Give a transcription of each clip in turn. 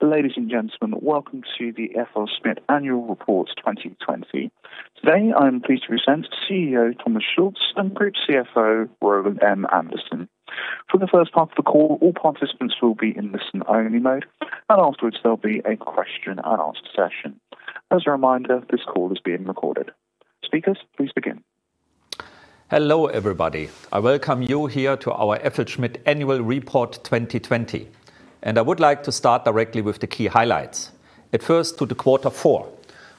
Ladies and gentlemen, welcome to the FLSmidth Annual Reports 2020. Today, I am pleased to present CEO Thomas Schulz and Group CFO Roland M. Andersen. For the first part of the call, all participants will be in listen-only mode, afterwards, there'll be a question and answer session. As a reminder, this call is being recorded. Speakers, please begin. Hello, everybody. I welcome you here to our FLSmidth Annual Report 2020. I would like to start directly with the key highlights. At first, to the quarter four.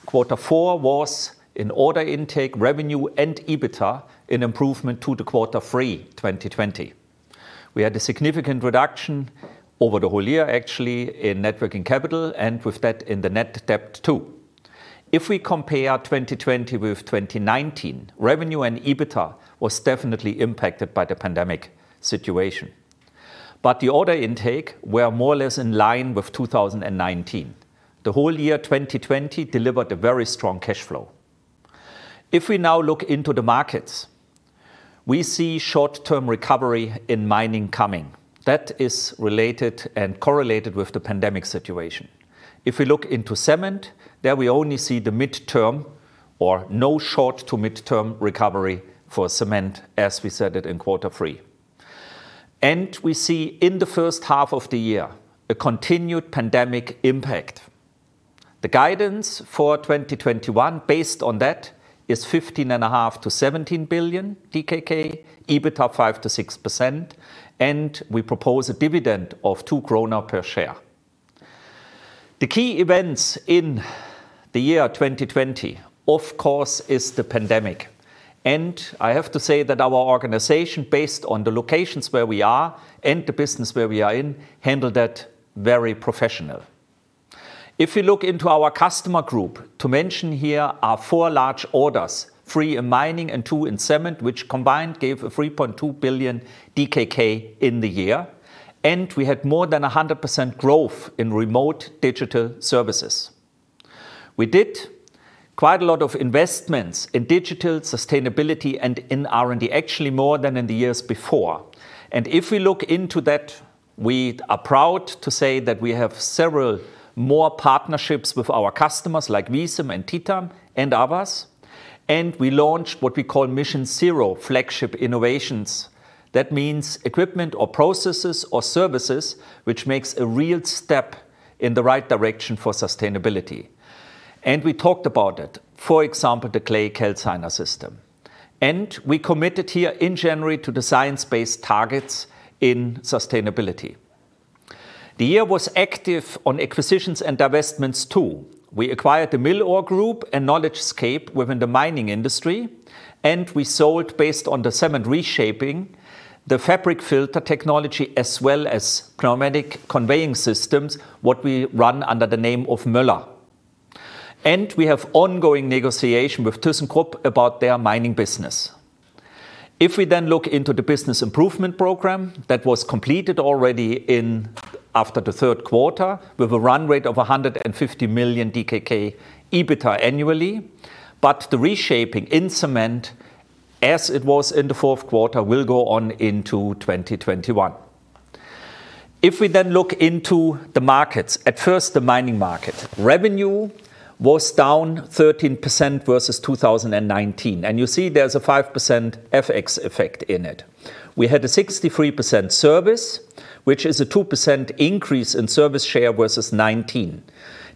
Quarter four was an order intake revenue and EBITDA in improvement to the quarter three 2020. We had a significant reduction over the whole year, actually, in net working capital and with that in the net debt, too. If we compare 2020 with 2019, revenue and EBITDA was definitely impacted by the pandemic situation. The order intake were more or less in line with 2019. The whole year 2020 delivered a very strong cash flow. If we now look into the markets, we see short-term recovery in mining coming. That is related and correlated with the pandemic situation. If we look into cement, there we only see the midterm or no short to midterm recovery for cement, as we said it in Q3. We see in H1 a continued pandemic impact. The guidance for 2021 based on that is 15.5 billion-17 billion DKK, EBITDA 5%-6%, and we propose a dividend of 2 kroner per share. The key events in 2020, of course, is the pandemic. I have to say that our organization, based on the locations where we are and the business where we are in, handled that very professional. If you look into our customer group, to mention here our four large orders, three in mining and two in cement, which combined gave a 3.2 billion DKK in the year, and we had more than 100% growth in remote digital services. We did quite a lot of investments in digital sustainability and in R&D, actually more than in the years before. If we look into that, we are proud to say that we have several more partnerships with our customers like VICEM and TITAN and others. We launched what we call MissionZero flagship Innovations. That means equipment or processes or services which makes a real step in the right direction for sustainability. We talked about it, for example, the clay calciner system. We committed here in January to the Science-Based Targets in sustainability. The year was active on acquisitions and divestments, too. We acquired the Mill-Ore Group and KnowledgeScape within the mining industry, and we sold based on the cement reshaping, the fabric filter technology, as well as pneumatic conveying systems, what we run under the name of Möller. We have ongoing negotiation with thyssenkrupp about their mining business. If we then look into the business improvement program that was completed already after the third quarter with a run rate of 150 million DKK EBITDA annually. The reshaping in cement, as it was in the fourth quarter, will go on into 2021. If we then look into the markets, at first, the mining market. Revenue was down 13% versus 2019. You see there's a 5% FX effect in it. We had a 63% service, which is a 2% increase in service share versus 2019.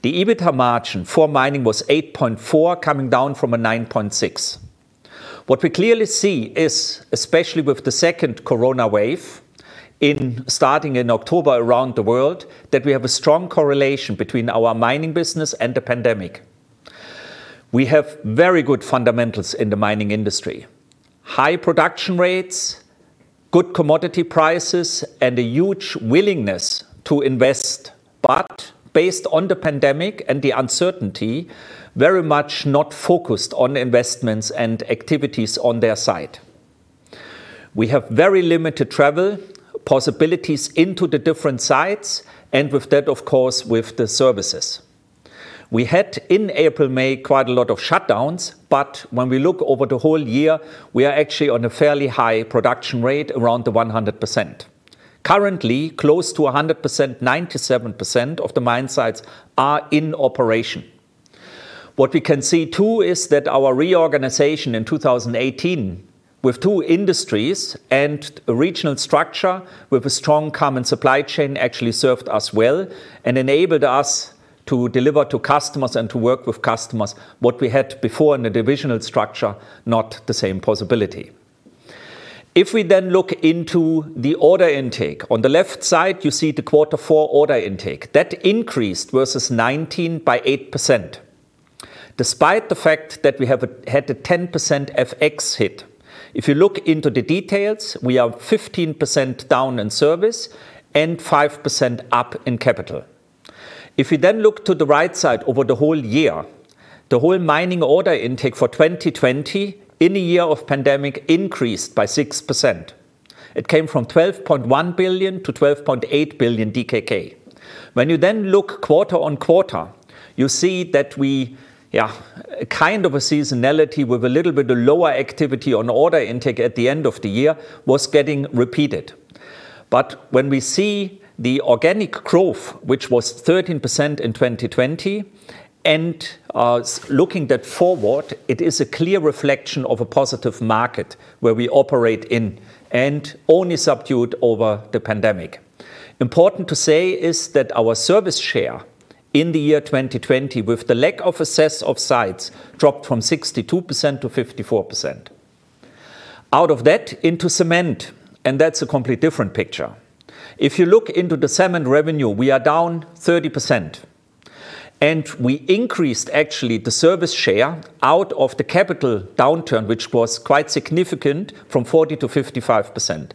The EBITDA margin for mining was 8.4%, coming down from a 9.6%. What we clearly see is, especially with the second corona wave, starting in October around the world, that we have a strong correlation between our mining business and the pandemic. We have very good fundamentals in the mining industry. High production rates, good commodity prices, and a huge willingness to invest, but based on the pandemic and the uncertainty, very much not focused on investments and activities on their side. We have very limited travel possibilities into the different sites, and with that, of course, with the services. We had in April, May, quite a lot of shutdowns, but when we look over the whole year, we are actually on a fairly high production rate around the 100%. Currently, close to 100%, 97% of the mine sites are in operation. What we can see, too, is that our reorganization in 2018 with two industries and a regional structure with a strong common supply chain actually served us well and enabled us to deliver to customers and to work with customers what we had before in a divisional structure, not the same possibility. If we look into the order intake, on the left side, you see the quarter four order intake. That increased versus 2019 by 8%. Despite the fact that we have had a 10% FX hit. If you look into the details, we are 15% down in service and 5% up in capital. If you look to the right side over the whole year, the whole mining order intake for 2020 in a year of pandemic increased by 6%. It came from 12.1 billion to 12.8 billion DKK. When you look quarter on quarter, you see that we, kind of a seasonality with a little bit lower activity on order intake at the end of the year was getting repeated. When we see the organic growth, which was 13% in 2020, and looking that forward, it is a clear reflection of a positive market where we operate in and only subdued over the pandemic. Important to say is that our service share in the year 2020, with the lack of access to sites, dropped from 62% to 54%. Out of that into Cement, that's a complete different picture. If you look into the Cement revenue, we are down 30%. We increased actually the service share out of the capital downturn, which was quite significant, from 40%-55%.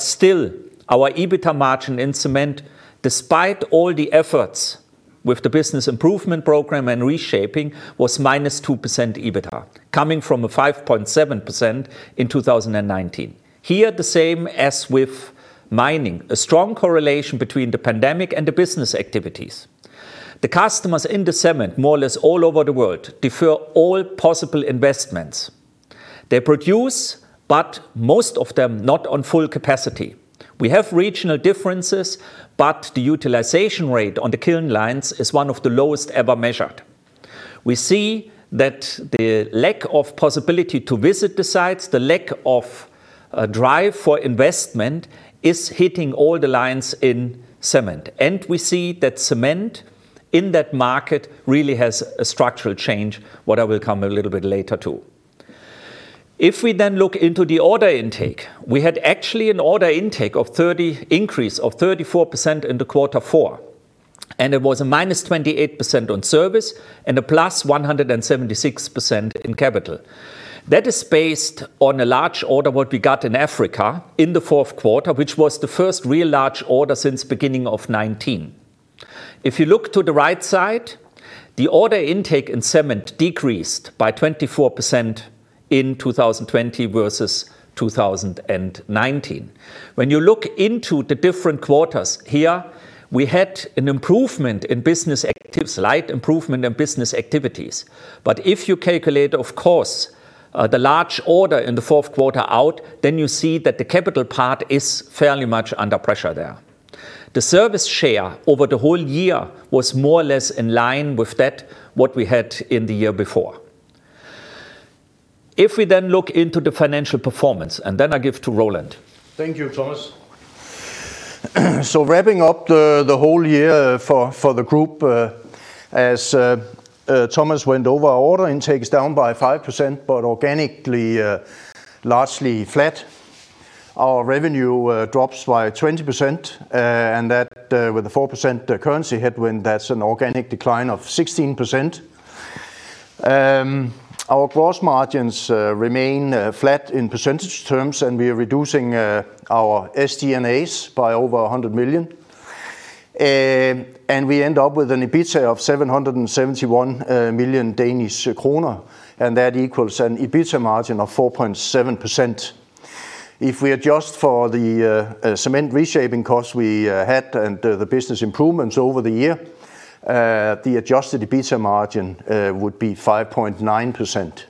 Still, our EBITDA margin in Cement, despite all the efforts with the business improvement program and reshaping, was -2% EBITDA, coming from a 5.7% in 2019. Here, the same as with mining, a strong correlation between the pandemic and the business activities. The customers in the cement, more or less all over the world, defer all possible investments. They produce, but most of them not on full capacity. We have regional differences, but the utilization rate on the kiln lines is one of the lowest ever measured. We see that the lack of possibility to visit the sites, the lack of a drive for investment, is hitting all the lines in cement. We see that cement in that market really has a structural change, what I will come a little bit later to. If we then look into the order intake, we had actually an order intake increase of 34% in the quarter four, and it was a -28% on service and a +176% in capital. That is based on a large order, what we got in Africa in the fourth quarter, which was the first real large order since beginning of 2019. You look to the right side, the order intake in Cement decreased by 24% in 2020 versus 2019. You look into the different quarters here, we had an improvement in business activities, slight improvement in business activities. If you calculate, of course, the large order in the fourth quarter out, you see that the capital part is fairly much under pressure there. The service share over the whole year was more or less in line with that, what we had in the year before. We then look into the financial performance, and then I give to Roland. Thank you, Thomas. Wrapping up the whole year for the group, as Thomas went over, our order intake is down by 5%, but organically, largely flat. Our revenue drops by 20%, and that with the 4% currency headwind, that's an organic decline of 16%. Our gross margins remain flat in percentage terms, and we are reducing our SG&A by over 100 million. We end up with an EBITDA of 771 million Danish kroner, and that equals an EBITDA margin of 4.7%. If we adjust for the cement reshaping costs we had and the business improvements over the year, the adjusted EBITDA margin would be 5.9%.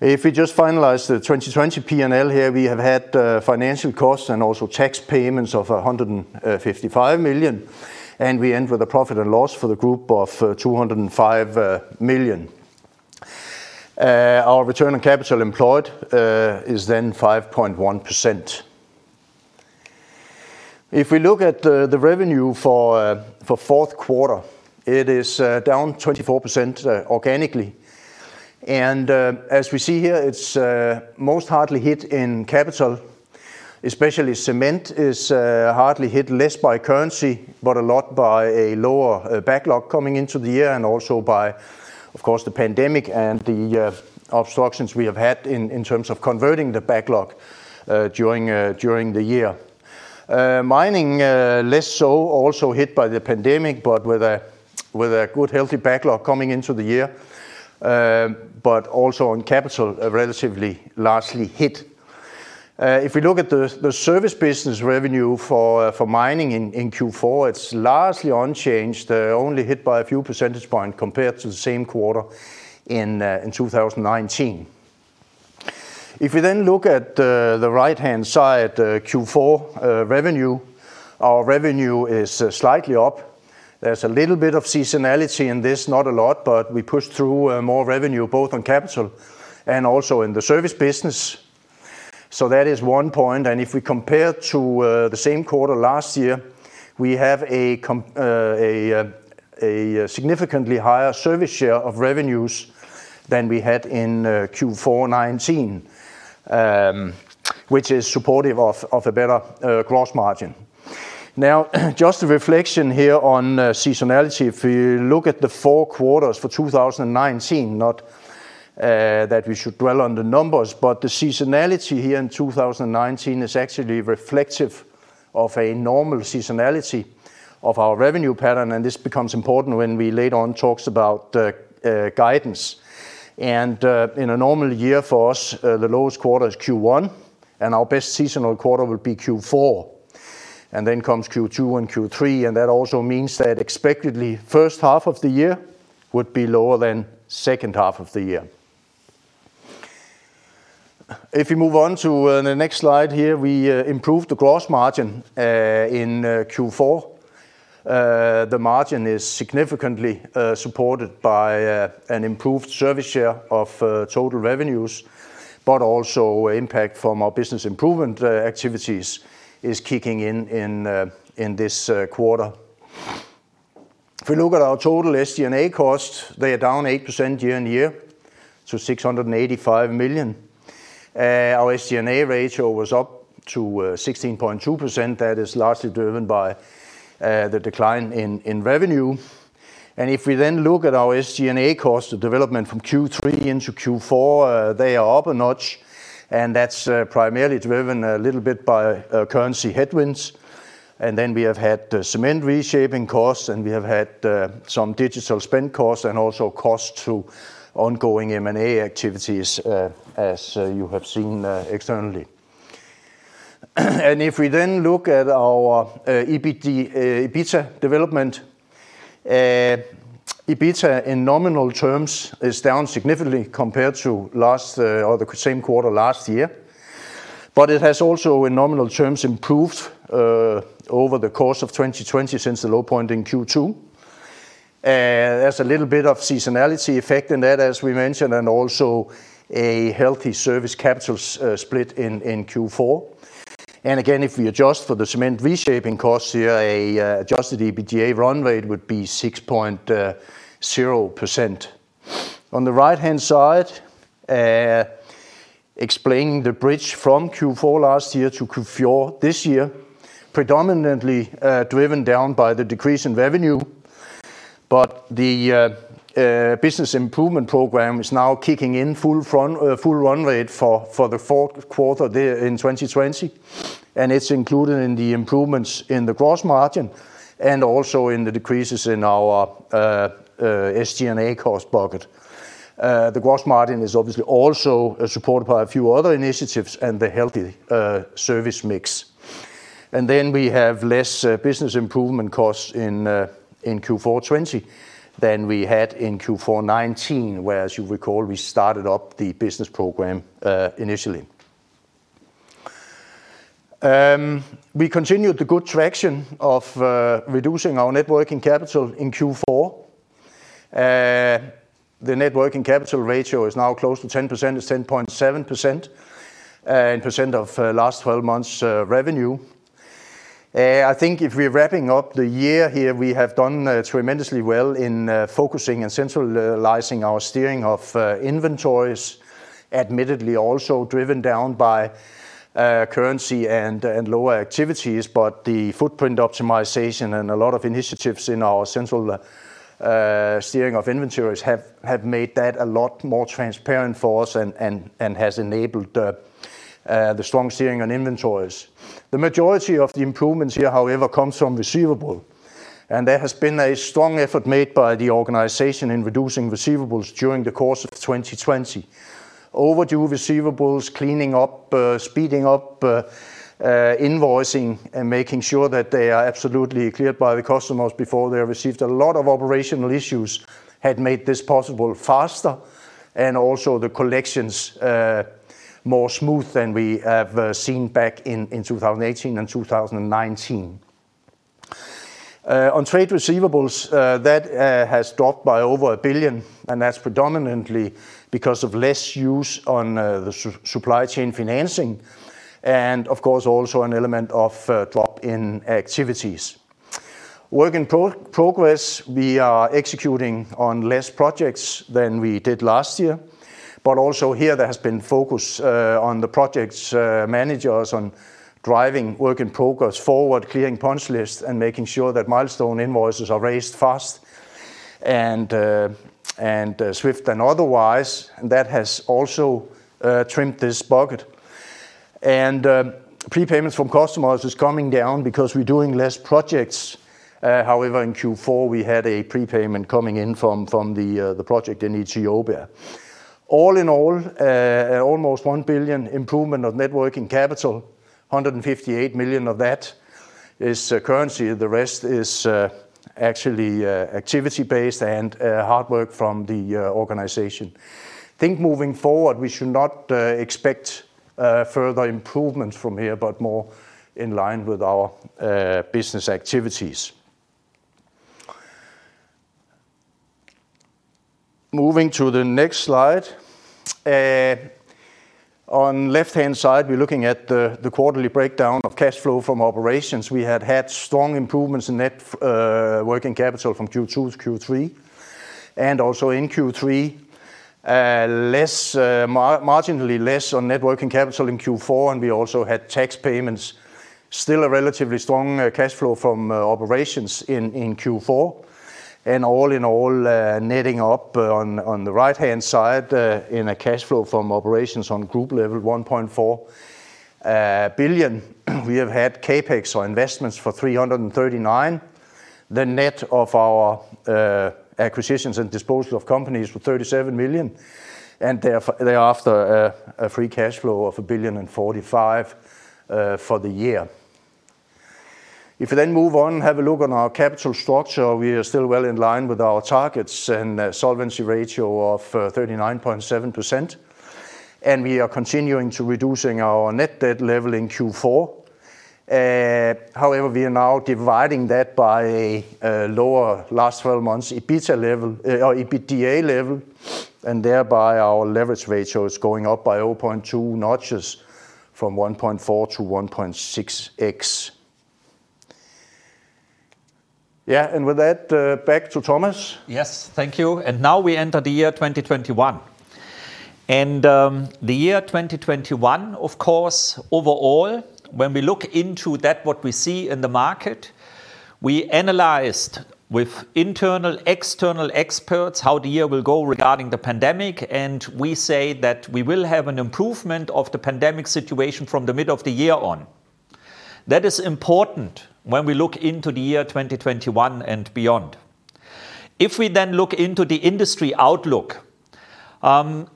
If we just finalize the 2020 P&L here, we have had financial costs and also tax payments of 155 million, and we end with a profit and loss for the group of 205 million. Our return on capital employed is 5.1%. If we look at the revenue for fourth quarter, it is down 24% organically. As we see here, it's most hardly hit in capital, especially Cement is hardly hit less by currency, but a lot by a lower backlog coming into the year and also by, of course, the pandemic and the obstructions we have had in terms of converting the backlog during the year. Mining, less so, also hit by the pandemic, but with a good healthy backlog coming into the year, but also on capital, relatively largely hit. If we look at the service business revenue for Mining in Q4, it's largely unchanged, only hit by a few percentage point compared to the same quarter in 2019. If we look at the right-hand side, Q4 revenue, our revenue is slightly up. There's a little bit of seasonality in this, not a lot, but we pushed through more revenue, both on capital and also in the service business. That is one point. And if we compare to the same quarter last year, we have a significantly higher service share of revenues than we had in Q4 2019, which is supportive of a better gross margin. Now, just a reflection here on seasonality. If you look at the four quarters for 2019, not that we should dwell on the numbers, but the seasonality here in 2019 is actually reflective of a normal seasonality of our revenue pattern, and this becomes important when we later on talks about guidance. In a normal year for us, the lowest quarter is Q1, and our best seasonal quarter will be Q4. Then comes Q2 and Q3, and that also means that expectedly, first half of the year would be lower than second half of the year. If we move on to the next slide here, we improved the gross margin in Q4. The margin is significantly supported by an improved service share of total revenues, but also impact from our business improvement activities is kicking in this quarter. If we look at our total SG&A costs, they are down 8% year-on-year to 685 million. Our SG&A ratio was up to 16.2%. That is largely driven by the decline in revenue. If we then look at our SG&A cost, the development from Q3 into Q4, they are up a notch, and that's primarily driven a little bit by currency headwinds. Then we have had the Cement reshaping costs, and we have had some digital spend costs, and also costs to ongoing M&A activities, as you have seen externally. If we then look at our EBITDA development, EBITDA in nominal terms is down significantly compared to the same quarter last year. It has also, in nominal terms, improved over the course of 2020 since the low point in Q2. There's a little bit of seasonality effect in that, as we mentioned, and also a healthy service capital split in Q4. Again, if we adjust for the Cement reshaping costs here, a adjusted EBITDA run rate would be 6.0%. On the right-hand side, explaining the bridge from Q4 last year to Q4 this year, predominantly driven down by the decrease in revenue. The business improvement program is now kicking in full run rate for the fourth quarter in 2020. It's included in the improvements in the gross margin and also in the decreases in our SG&A cost bucket. The gross margin is obviously also supported by a few other initiatives and the healthy service mix. We have less business improvement costs in Q4 2020 than we had in Q4 2019, where, as you recall, we started up the business program initially. We continued the good traction of reducing our net working capital in Q4. The net working capital ratio is now close to 10%, it's 10.7%, in percent of last 12 months revenue. I think if we're wrapping up the year here, we have done tremendously well in focusing and centralizing our steering of inventories, admittedly also driven down by currency and lower activities. The footprint optimization and a lot of initiatives in our central steering of inventories have made that a lot more transparent for us and has enabled the strong steering on inventories. The majority of the improvements here, however, comes from receivable, and there has been a strong effort made by the organization in reducing receivables during the course of 2020. Overdue receivables, cleaning up, speeding up invoicing, and making sure that they are absolutely cleared by the customers before they are received. A lot of operational issues had made this possible faster, and also the collections more smooth than we have seen back in 2018 and 2019. On trade receivables, that has dropped by over 1 billion. That's predominantly because of less use on the supply chain financing. Of course, also an element of drop in activities. Work in progress. We are executing on less projects than we did last year. Also here, there has been focus on the projects managers on driving work in progress forward, clearing punch lists, and making sure that milestone invoices are raised fast, and swift and otherwise. That has also trimmed this bucket. Prepayments from customers is coming down because we're doing less projects. However, in Q4, we had a prepayment coming in from the project in Ethiopia. All in all, almost 1 billion improvement of net working capital, 158 million of that is currency. The rest is actually activity-based and hard work from the organization. I think moving forward, we should not expect further improvements from here, but more in line with our business activities. Moving to the next slide. On left-hand side, we're looking at the quarterly breakdown of cash flow from operations. We had had strong improvements in net working capital from Q2 to Q3, and also in Q3. Marginally less on net working capital in Q4, and we also had tax payments. Still a relatively strong cash flow from operations in Q4. All in all, netting up on the right-hand side in a cash flow from operations on group level 1.4 billion. We have had CapEx or investments for 339 net of our acquisitions and disposal of companies for 37 million, and thereafter a free cash flow of 1.045 billion for the year. If we move on, have a look on our capital structure, we are still well in line with our targets and a solvency ratio of 39.7%. We are continuing to reducing our net debt level in Q4. However, we are now dividing that by a lower last 12 months EBITDA level, and thereby our leverage ratio is going up by 0.2 notches from 1.4x-1.6x. Yeah, with that, back to Thomas. Yes, thank you. Now we enter the year 2021. The year 2021, of course, overall, when we look into that what we see in the market, we analyzed with internal, external experts how the year will go regarding the pandemic, and we say that we will have an improvement of the pandemic situation from the mid of the year on. That is important when we look into the year 2021 and beyond. If we then look into the industry outlook,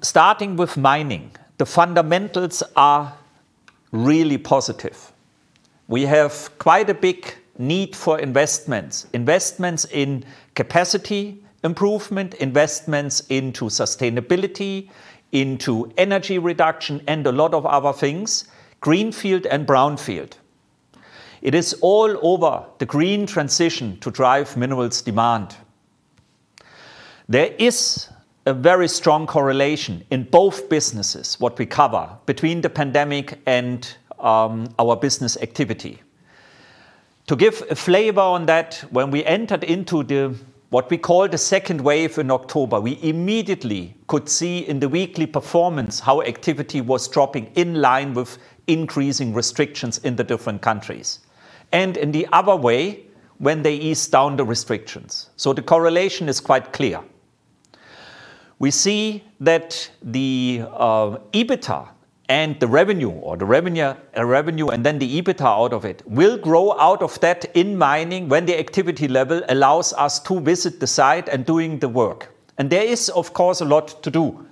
starting with mining, the fundamentals are really positive. We have quite a big need for investments. Investments in capacity improvement, investments into sustainability, into energy reduction, and a lot of other things, greenfield and brownfield. It is all over the green transition to drive minerals demand. There is a very strong correlation in both businesses, what we cover, between the pandemic and our business activity. To give a flavor on that, when we entered into the, what we call the second wave in October, we immediately could see in the weekly performance how activity was dropping in line with increasing restrictions in the different countries. In the other way, when they eased down the restrictions. The correlation is quite clear. We see that the EBITDA and the revenue, or the revenue and then the EBITDA out of it, will grow out of that in mining when the activity level allows us to visit the site and doing the work. There is, of course, a lot to do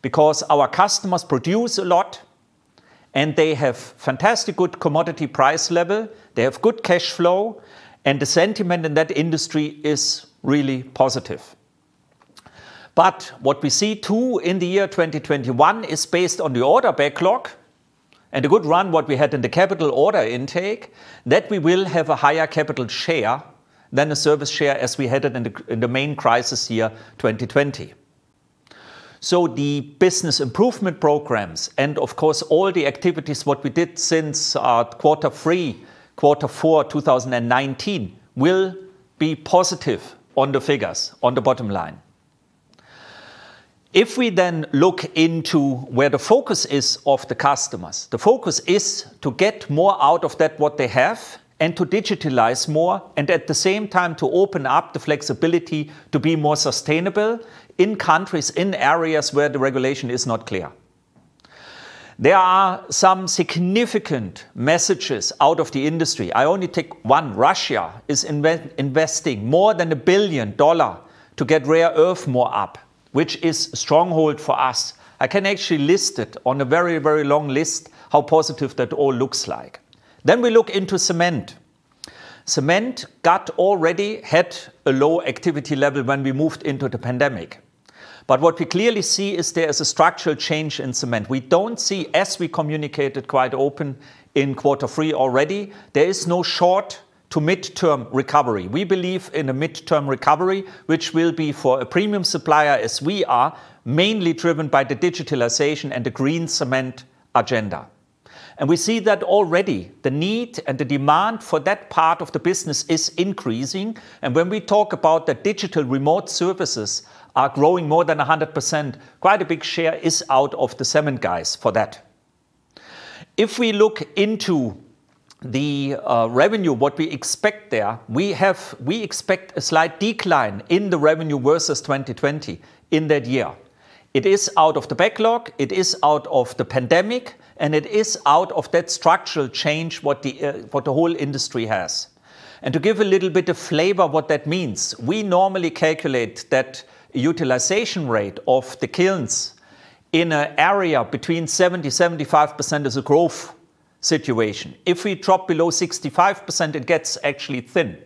because our customers produce a lot, and they have fantastic good commodity price level, they have good cash flow, and the sentiment in that industry is really positive. What we see, too, in the year 2021 is based on the order backlog and a good run what we had in the capital order intake, that we will have a higher capital share than a service share as we had it in the main crisis year 2020. The business improvement programs and, of course, all the activities what we did since our quarter three, quarter four 2019, will be positive on the figures on the bottom line. If we then look into where the focus is of the customers, the focus is to get more out of that what they have and to digitalize more, and at the same time, to open up the flexibility to be more sustainable in countries, in areas where the regulation is not clear. There are some significant messages out of the industry. I only take one. Russia is investing more than $1 billion to get rare earth more up, which is a stronghold for us. I can actually list it on a very, very long list how positive that all looks like. We look into cement. Cement got already hit a low activity level when we moved into the pandemic. What we clearly see is there is a structural change in cement. We don't see, as we communicated quite open in quarter three already, there is no short to mid-term recovery. We believe in a mid-term recovery, which will be for a premium supplier, as we are, mainly driven by the digitalization and the green cement agenda. We see that already the need and the demand for that part of the business is increasing. When we talk about the digital remote services are growing more than 100%, quite a big share is out of the cement guys for that. If we look into the revenue, what we expect there, we expect a slight decline in the revenue versus 2020 in that year. It is out of the backlog, it is out of the pandemic, and it is out of that structural change what the whole industry has. To give a little bit of flavor what that means, we normally calculate that utilization rate of the kilns in an area between 70%-75% is a growth situation. If we drop below 65%, it gets actually thin.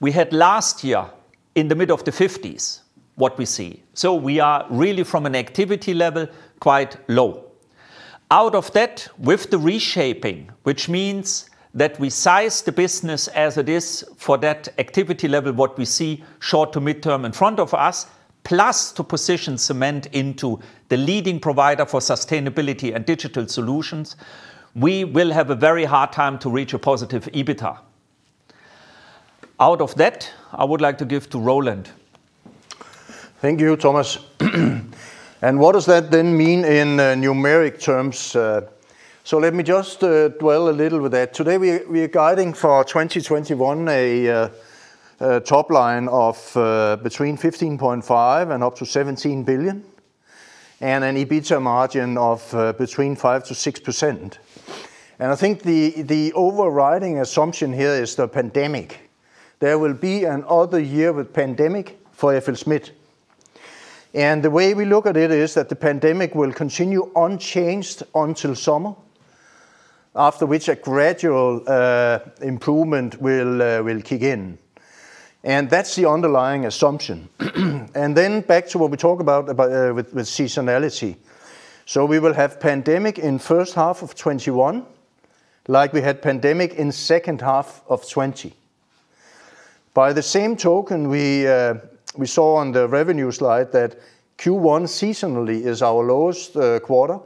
We had last year, in the mid of the 50s, what we see. We are really from an activity level quite low. With the reshaping, which means that we size the business as it is for that activity level what we see short to mid-term in front of us, plus to position Cement into the leading provider for sustainability and digital solutions, we will have a very hard time to reach a positive EBITDA. I would like to give to Roland. Thank you, Thomas. What does that then mean in numeric terms? Let me just dwell a little with that. Today we are guiding for 2021 a top line of between 15.5 billion and up to 17 billion. An EBITDA margin of between 5%-6%. I think the overriding assumption here is the pandemic. There will be another year with pandemic for FLSmidth. The way we look at it is that the pandemic will continue unchanged until summer, after which a gradual improvement will kick in. That's the underlying assumption. Back to what we talk about with seasonality. We will have pandemic in first half of 2021, like we had pandemic in second half of 2020. By the same token, we saw on the revenue slide that Q1 seasonally is our lowest quarter,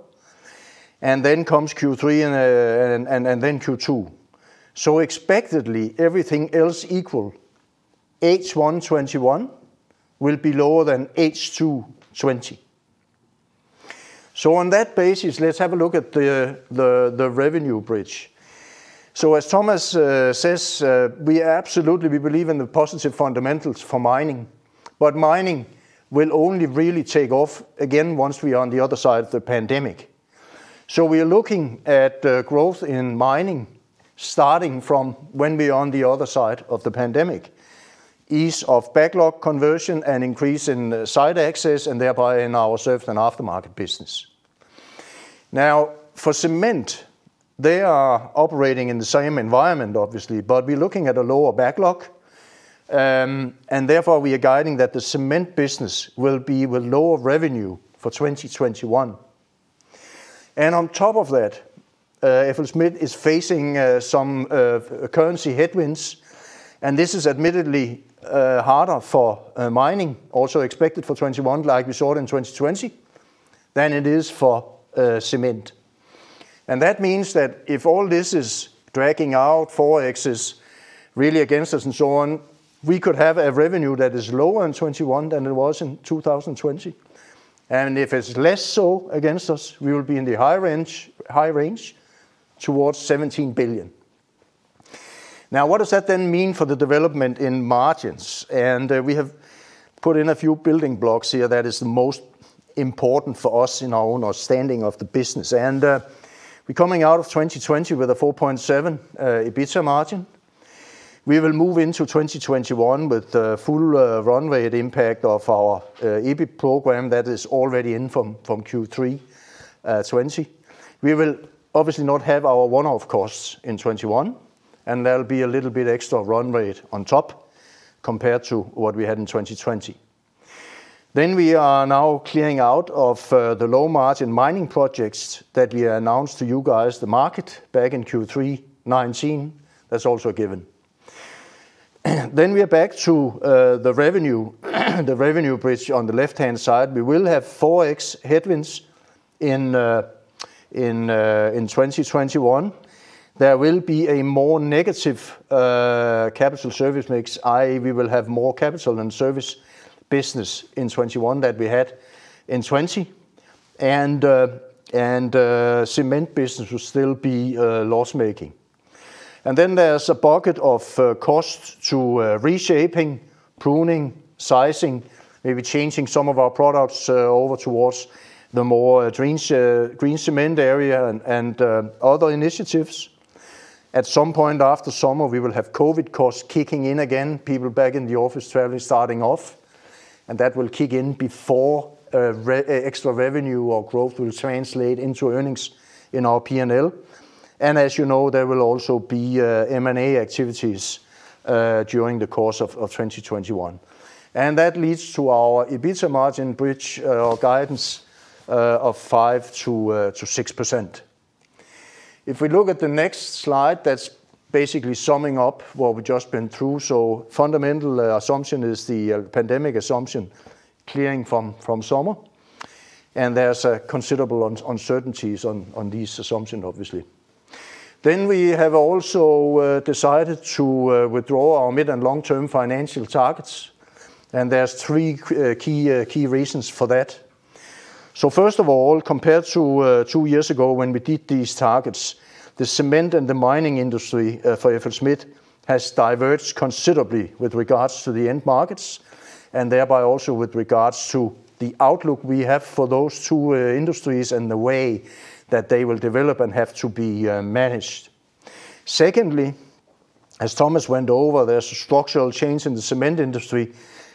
and then comes Q3 and then Q2. Expectedly, everything else equal, H1 2021 will be lower than H2 2020. On that basis, let's have a look at the revenue bridge. As Thomas says, we absolutely believe in the positive fundamentals for Mining. Mining will only really take off again once we are on the other side of the pandemic. We are looking at growth in Mining, starting from when we are on the other side of the pandemic. Ease of backlog conversion and increase in site access, and thereby in our service and aftermarket business. For Cement, they are operating in the same environment, obviously. We're looking at a lower backlog, and therefore, we are guiding that the Cement business will be with lower revenue for 2021. On top of that, FLSmidth is facing some currency headwinds, this is admittedly harder for Mining, also expected for 2021 like we saw it in 2020, than it is for Cement. That means that if all this is dragging out, Forex is really against us and so on, we could have a revenue that is lower in 2021 than it was in 2020. If it's less so against us, we will be in the high range, towards 17 billion. What does that then mean for the development in margins? We have put in a few building blocks here that is the most important for us in our own understanding of the business. We're coming out of 2020 with a 4.7% EBITDA margin. We will move into 2021 with the full run rate impact of our EBIT program that is already in from Q3 2020. We will obviously not have our one-off costs in 2021, there'll be a little bit extra run rate on top compared to what we had in 2020. We are now clearing out of the low-margin mining projects that we announced to you guys, the market, back in Q3 2019. That's also a given. We are back to the revenue bridge on the left-hand side. We will have FX headwinds in 2021. There will be a more negative capital service mix, i.e. We will have more capital and service business in 2021 than we had in 2020. Cement business will still be loss-making. There's a bucket of costs to reshaping, pruning, sizing, maybe changing some of our products over towards the more green cement area and other initiatives. At some point after summer, we will have COVID costs kicking in again, people back in the office, travel starting off. That will kick in before extra revenue or growth will translate into earnings in our P&L. As you know, there will also be M&A activities during the course of 2021. That leads to our EBITDA margin bridge or guidance of 5%-6%. If we look at the next slide, that's basically summing up what we've just been through. Fundamental assumption is the pandemic assumption clearing from summer. There's considerable uncertainties on this assumption, obviously. Then we have also decided to withdraw our mid- and long-term financial targets, and there's three key reasons for that. First of all, compared to two years ago, when we did these targets, the cement and the mining industry for FLSmidth has diverged considerably with regards to the end markets, and thereby also with regards to the outlook we have for those two industries and the way that they will develop and have to be managed. Secondly, as Thomas went over, there's a structural change in the cement industry,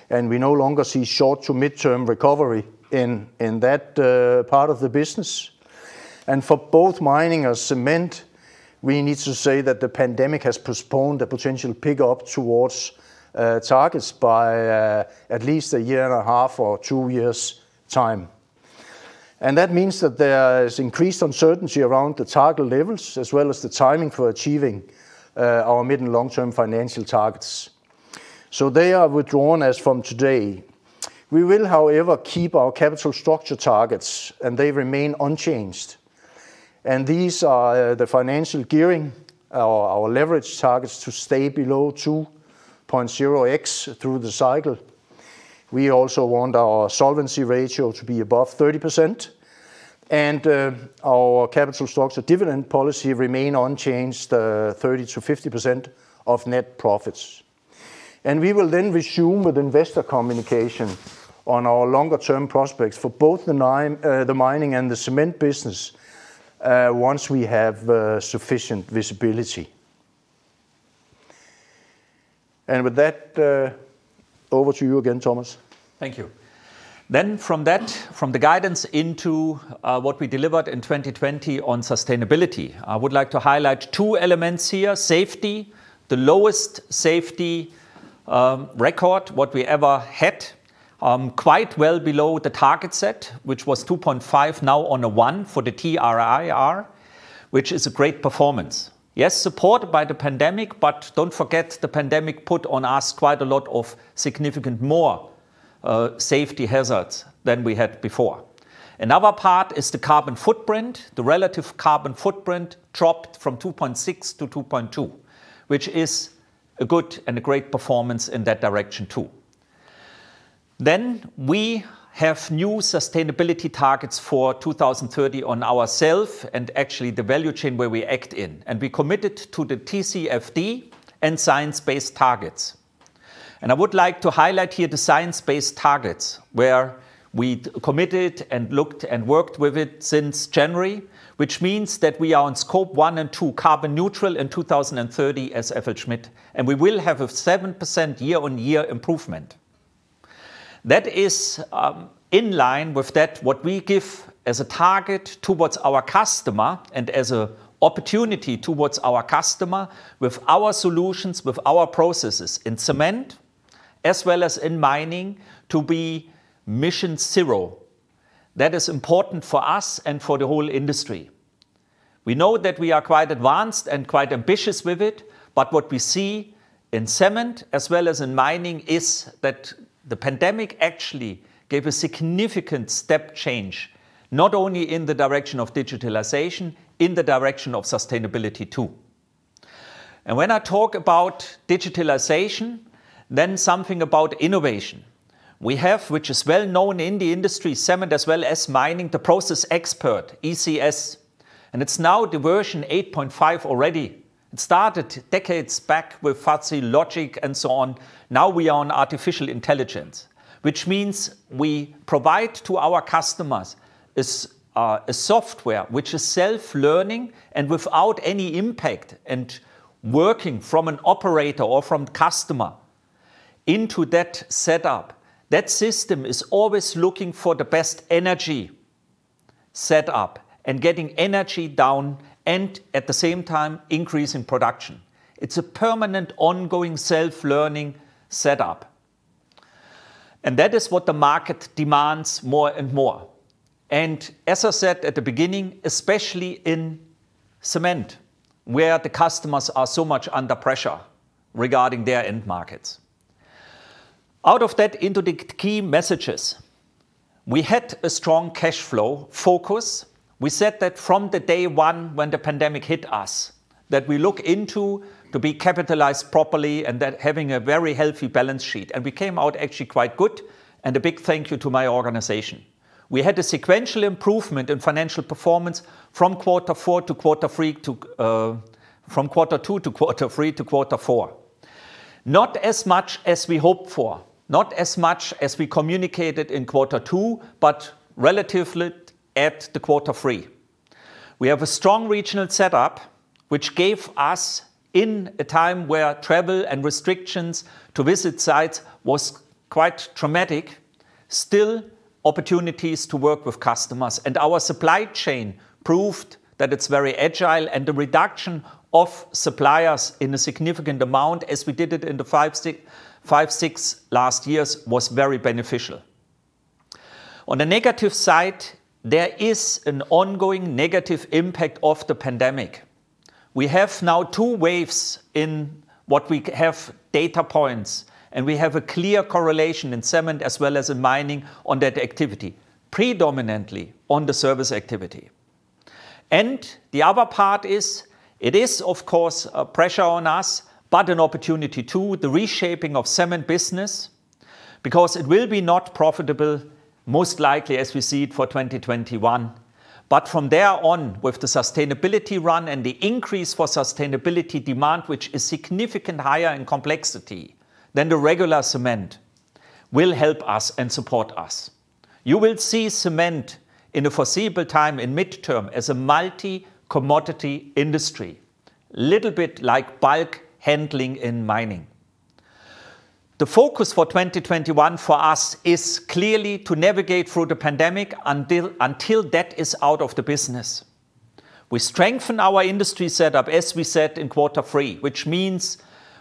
and we no longer see short to mid-term recovery in that part of the business. For both mining and cement, we need to say that the pandemic has postponed a potential pickup towards targets by at least a year and a half or two years' time. That means that there is increased uncertainty around the target levels, as well as the timing for achieving our mid- and long-term financial targets. They are withdrawn as from today. We will, however, keep our capital structure targets, and they remain unchanged. These are the financial gearing or our leverage targets to stay below 2.0x through the cycle. We also want our solvency ratio to be above 30%. Our capital structure dividend policy remain unchanged, 30%-50% of net profits. We will then resume with investor communication on our longer-term prospects for both the mining and the cement business, once we have sufficient visibility. With that, over to you again, Thomas. Thank you. From the guidance into what we delivered in 2020 on sustainability. I would like to highlight two elements here. Safety, the lowest safety record what we ever had, quite well below the target set, which was 2.5x, now on a 1x for the TRIR, which is a great performance. Yes, supported by the pandemic, don't forget the pandemic put on us quite a lot of significant more safety hazards than we had before. Another part is the carbon footprint. The relative carbon footprint dropped from 2.6x to 2.2x, which is a good and a great performance in that direction, too. We have new sustainability targets for 2030 on ourself and actually the value chain where we act in, and we committed to the TCFD and Science-Based Targets. I would like to highlight here the Science-Based Targets, where we committed and looked and worked with it since January. Which means that we are in scope 1 and 2 carbon neutral in 2030 as FLSmidth, and we will have a 7% year-on-year improvement. That is in line with that what we give as a target towards our customer and as a opportunity towards our customer with our solutions, with our processes in cement, as well as in mining, to be MissionZero. That is important for us and for the whole industry. We know that we are quite advanced and quite ambitious with it, but what we see in cement as well as in mining is that the pandemic actually gave a significant step change, not only in the direction of digitalization, in the direction of sustainability, too. When I talk about digitalization, then something about innovation. We have, which is well-known in the industry, cement as well as mining, the ProcessExpert, ECS, and it's now the version 8.5 already. It started decades back with fuzzy logic and so on. We are on artificial intelligence, which means we provide to our customers a software which is self-learning and without any impact and working from an operator or from customer into that set-up. That system is always looking for the best energy set-up and getting energy down and at the same time increasing production. It's a permanent, ongoing self-learning set-up. That is what the market demands more and more. As I said at the beginning, especially in cement, where the customers are so much under pressure regarding their end markets. Out of that into the key messages. We had a strong cash flow focus. We said that from the day one when the pandemic hit us, that we look into to be capitalized properly and that having a very healthy balance sheet. We came out actually quite good. A big thank you to my organization. We had a sequential improvement in financial performance from quarter two to quarter three to quarter four. Not as much as we hoped for. Not as much as we communicated in quarter two, but relatively at the quarter three. We have a strong regional set-up, which gave us in a time where travel and restrictions to visit sites was quite traumatic, still opportunities to work with customers. Our supply chain proved that it's very agile and the reduction of suppliers in a significant amount as we did it in the five, six last years was very beneficial. On the negative side, there is an ongoing negative impact of the pandemic. We have now two waves in what we have data points, and we have a clear correlation in cement as well as in mining on that activity. Predominantly on the service activity. The other part is, it is of course, a pressure on us, but an opportunity, too, the reshaping of cement business, because it will be not profitable, most likely as we see it for 2021. From there on, with the sustainability run and the increase for sustainability demand, which is significant higher in complexity than the regular cement, will help us and support us. You will see cement in the foreseeable time in mid-term as a multi-commodity industry, little bit like bulk handling in mining. The focus for 2021 for us is clearly to navigate through the pandemic until that is out of the business. We strengthen our industry set-up, as we said in quarter three, which means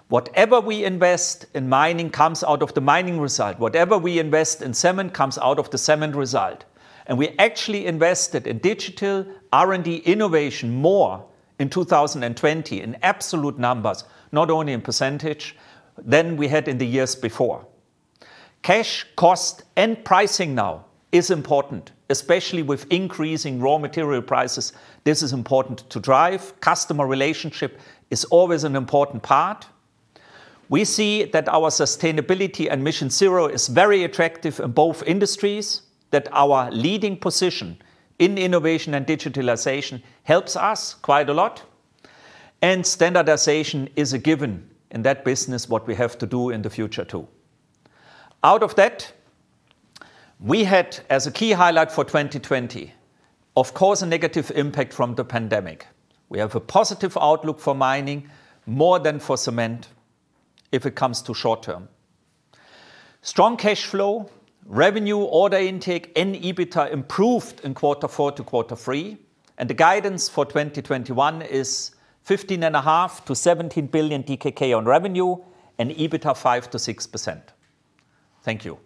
whatever we invest in mining comes out of the mining result. Whatever we invest in cement comes out of the cement result. We actually invested in digital R&D innovation more in 2020 in absolute numbers, not only in percentage, than we had in the years before. Cash cost and pricing now is important, especially with increasing raw material prices. This is important to drive. Customer relationship is always an important part. We see that our sustainability and MissionZero is very attractive in both industries, that our leading position in innovation and digitalization helps us quite a lot, and standardization is a given in that business, what we have to do in the future too. Out of that, we had, as a key highlight for 2020, of course, a negative impact from the pandemic. We have a positive outlook for Mining, more than for Cement if it comes to short term. Strong cash flow, revenue, order intake, and EBITDA improved in Q4 to Q3, and the guidance for 2021 is 15.5 billion-17 billion DKK on revenue and EBITDA 5%-6%. Thank you.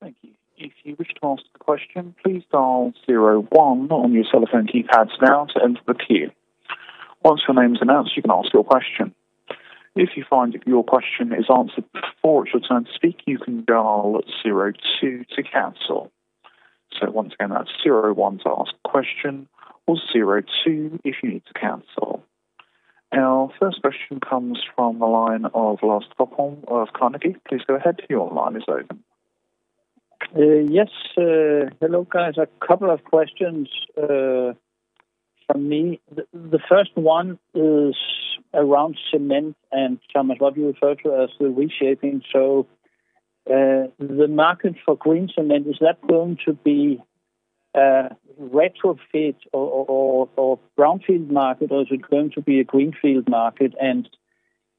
Thank you. If you wish to ask a question, please dial zero one on your cell phone keypads now to enter the queue. Once your name is announced, you can ask your question. If you find your question is answered before it should turn to speak, you can dial zero two to cancel. So once again that's zero one to ask question or zero two if you need to cancel. Our first question comes from the line of Lars Topholm of Carnegie. Please go ahead. Your line is open. Yes. Hello, guys. A couple of questions from me. The first one is around cement and, Thomas, what you refer to as the reshaping. The market for green cement, is that going to be a retrofit or brownfield market, or is it going to be a greenfield market?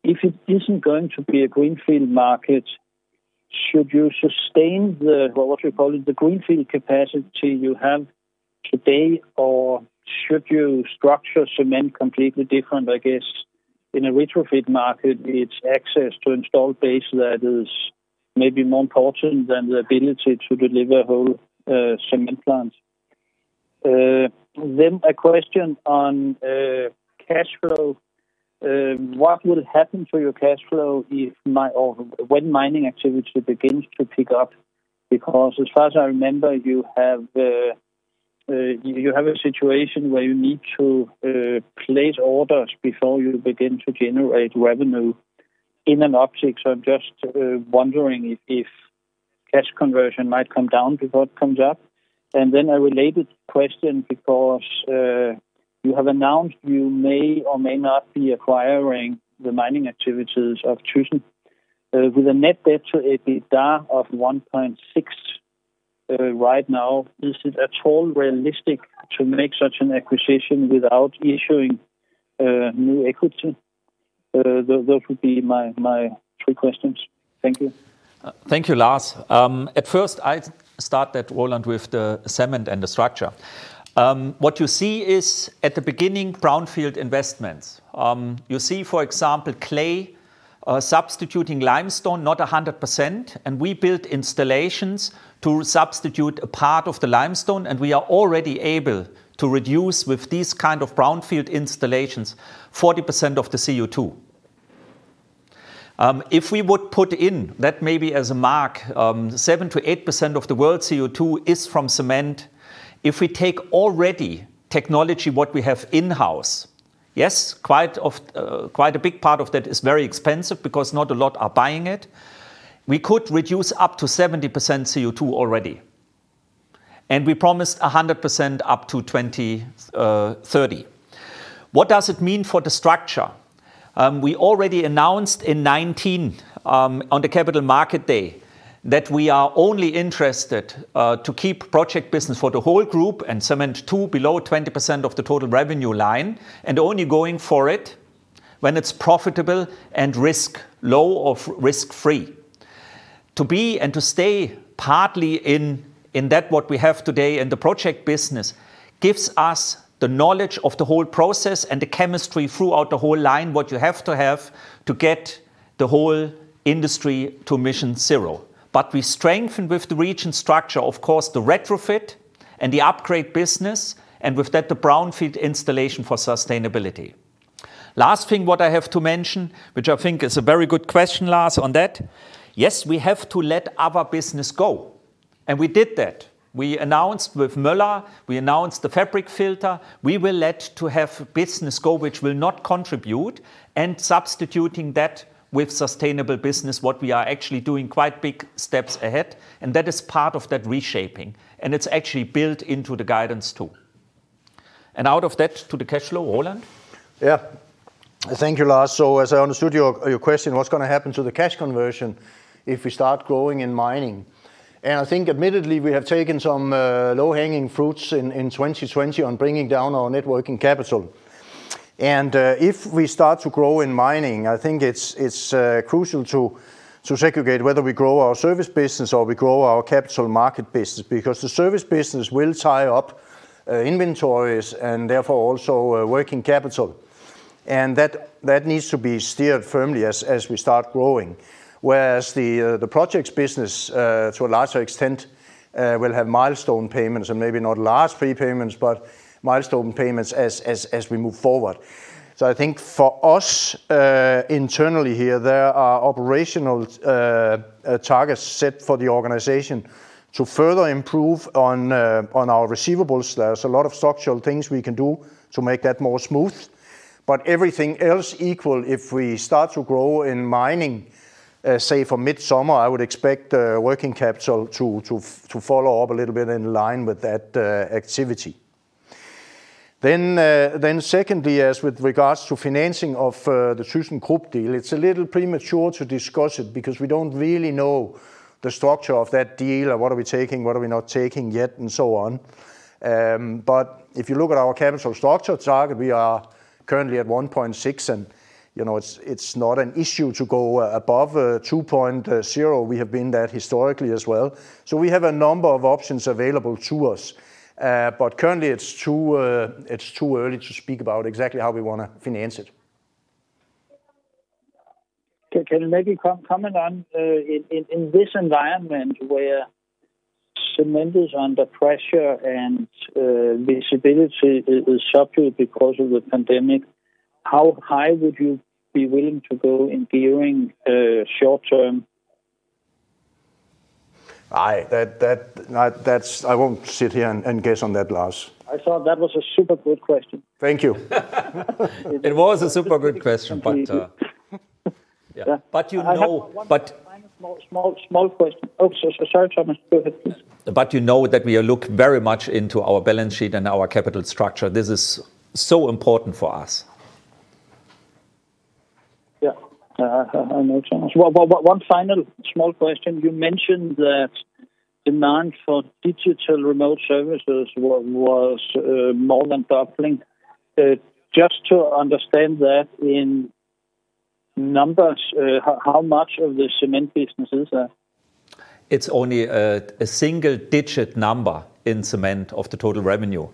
If it isn't going to be a greenfield market, should you sustain the, what you call it, the greenfield capacity you have today, or should you structure cement completely different? I guess in a retrofit market, it's access to install base that is maybe more important than the ability to deliver whole cement plants. A question on cash flow. What will happen to your cash flow when mining activity begins to pick up? Because as far as I remember, you have a situation where you need to place orders before you begin to generate revenue in an uptick. I'm just wondering if cash conversion might come down before it comes up. A related question, because you have announced you may or may not be acquiring the mining activities of thyssenkrupp. With a net debt to EBITDA of 1.6x right now, is it at all realistic to make such an acquisition without issuing new equity? Those would be my three questions. Thank you. Thank you, Lars. First, I start that, Roland, with the cement and the structure. What you see is at the beginning, brownfield investments. You see, for example, clay substituting limestone, not 100%, and we built installations to substitute a part of the limestone, and we are already able to reduce with these kind of brownfield installations, 40% of the CO2. We would put in that maybe as a mark, 7%-8% of the world's CO2 is from cement. We take already technology, what we have in-house, yes, quite a big part of that is very expensive because not a lot are buying it. We could reduce up to 70% CO2 already. We promised 100% up to 2030. What does it mean for the structure? We already announced in 2019, on the Capital Markets Day, that we are only interested to keep project business for the whole group and Cement II below 20% of the total revenue line, and only going for it when it's profitable and risk low or risk-free. To be and to stay partly in that what we have today in the project business gives us the knowledge of the whole process and the chemistry throughout the whole line, what you have to have to get the whole industry to MissionZero. But we strengthen with the region structure, of course, the retrofit and the upgrade business, and with that, the brownfield installation for sustainability. Last thing what I have to mention, which I think is a very good question, Lars, on that, yes, we have to let other business go. And we did that. We announced with Möller, we announced the fabric filter. We will let to have business go which will not contribute, and substituting that with sustainable business, what we are actually doing quite big steps ahead. That is part of that reshaping. It's actually built into the guidance, too. Out of that to the cash flow, Roland? Thank you, Lars. As I understood your question, what's going to happen to the cash conversion if we start growing in mining? I think admittedly, we have taken some low-hanging fruits in 2020 on bringing down our net working capital. If we start to grow in mining, I think it's crucial to segregate whether we grow our service business or we grow our capital market business, because the service business will tie up inventories and therefore also working capital. That needs to be steered firmly as we start growing. Whereas the projects business, to a larger extent, will have milestone payments and maybe not large prepayments, but milestone payments as we move forward. I think for us, internally here, there are operational targets set for the organization to further improve on our receivables. There's a lot of structural things we can do to make that more smooth. Everything else equal, if we start to grow in mining, say for midsummer, I would expect working capital to follow up a little bit in line with that activity. Secondly, as with regards to financing of the thyssenkrupp deal, it's a little premature to discuss it because we don't really know the structure of that deal or what are we taking, what are we not taking yet, and so on. If you look at our capital structure target, we are currently at 1.6x and it's not an issue to go above 2.0x. We have been that historically as well. We have a number of options available to us. Currently it's too early to speak about exactly how we want to finance it. Can you maybe comment on, in this environment where cement is under pressure and visibility is shuffled because of the pandemic, how high would you be willing to go in gearing short term? I won't sit here and guess on that, Lars. I thought that was a super good question. Thank you. It was a super good question. Yeah. You know. I have one small question. Oops, sorry, Thomas, go ahead. You know that we look very much into our balance sheet and our capital structure. This is so important for us. Yeah. Makes sense. One final small question. You mentioned that demand for digital remote services was more than doubling. Just to understand that in numbers, how much of the Cement business is that? It's only a single digit number in Cement of the total revenue,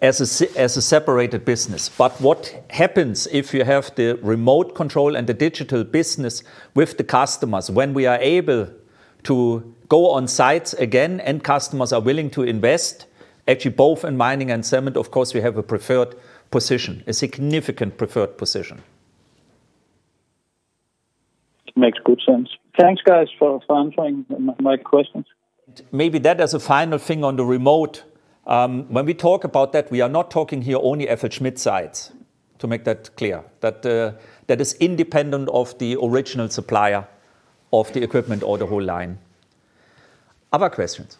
as a separated business. What happens if you have the remote control and the digital business with the customers, when we are able to go on sites again and customers are willing to invest, actually both in Mining and Cement, of course, we have a preferred position, a significant preferred position. Makes good sense. Thanks, guys, for answering my questions. Maybe that as a final thing on the remote. When we talk about that, we are not talking here only FLSmidth sites, to make that clear. That is independent of the original supplier of the equipment or the whole line. Other questions?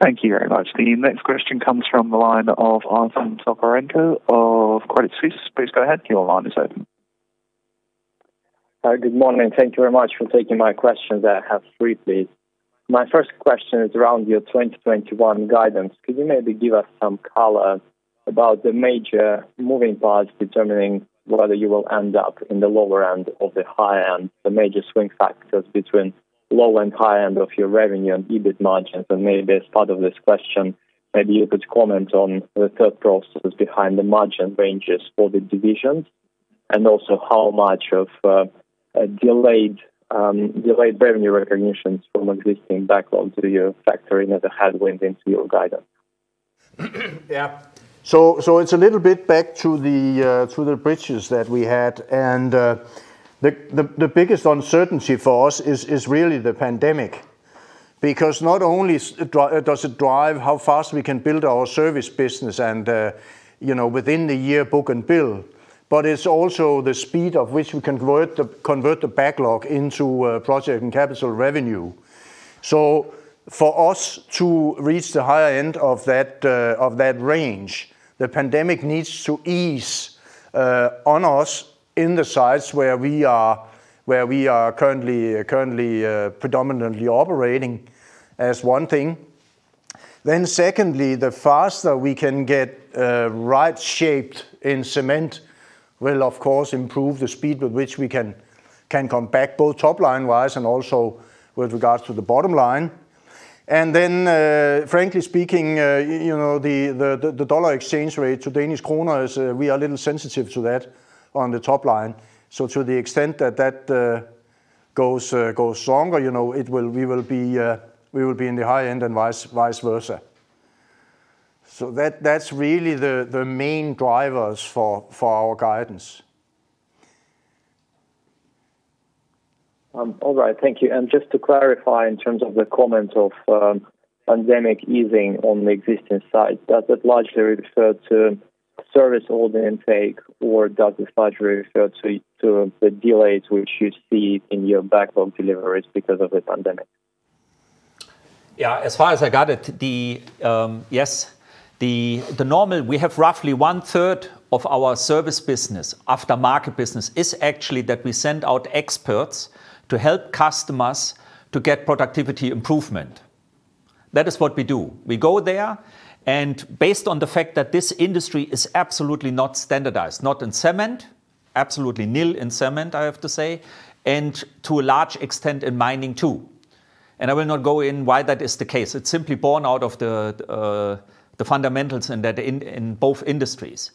Thank you very much. The next question comes from the line of Artem Tokarenko of Credit Suisse. Please go ahead, your line is open. Hi. Good morning. Thank you very much for taking my questions. I have three, please. My first question is around your 2021 guidance. Could you maybe give us some color about the major moving parts determining whether you will end up in the lower end or the high end, the major swing factors between low and high end of your revenue and EBIT margins? Maybe as part of this question, maybe you could comment on the thought process behind the margin ranges for the divisions, and also how much of delayed revenue recognitions from existing backlogs are you factoring as a headwind into your guidance? Yeah. It's a little bit back to the bridges that we had, and the biggest uncertainty for us is really the pandemic. Because not only does it drive how fast we can build our service business and within the year book and bill, but it's also the speed of which we convert the backlog into project and capital revenue. For us to reach the higher end of that range, the pandemic needs to ease on us in the sites where we are currently predominantly operating as one thing. Secondly, the faster we can get right shaped in cement will, of course, improve the speed with which we can come back, both top-line wise and also with regards to the bottom line. Frankly speaking, the U.S. dollar exchange rate to DKK is, we are a little sensitive to that on the top line. To the extent that that goes stronger, we will be in the high end and vice versa. That's really the main drivers for our guidance. All right. Thank you. Just to clarify in terms of the comment of pandemic easing on the existing sites, does that largely refer to service order intake or does this largely refer to the delays which you see in your backlog deliveries because of the pandemic? Yeah. As far as I got it, yes. The normal, we have roughly one third of our service business. Aftermarket business is actually that we send out experts to help customers to get productivity improvement. That is what we do. We go there, and based on the fact that this industry is absolutely not standardized, not in cement, absolutely nil in cement, I have to say, and to a large extent in mining, too. I will not go in why that is the case. It's simply born out of the fundamentals in both industries.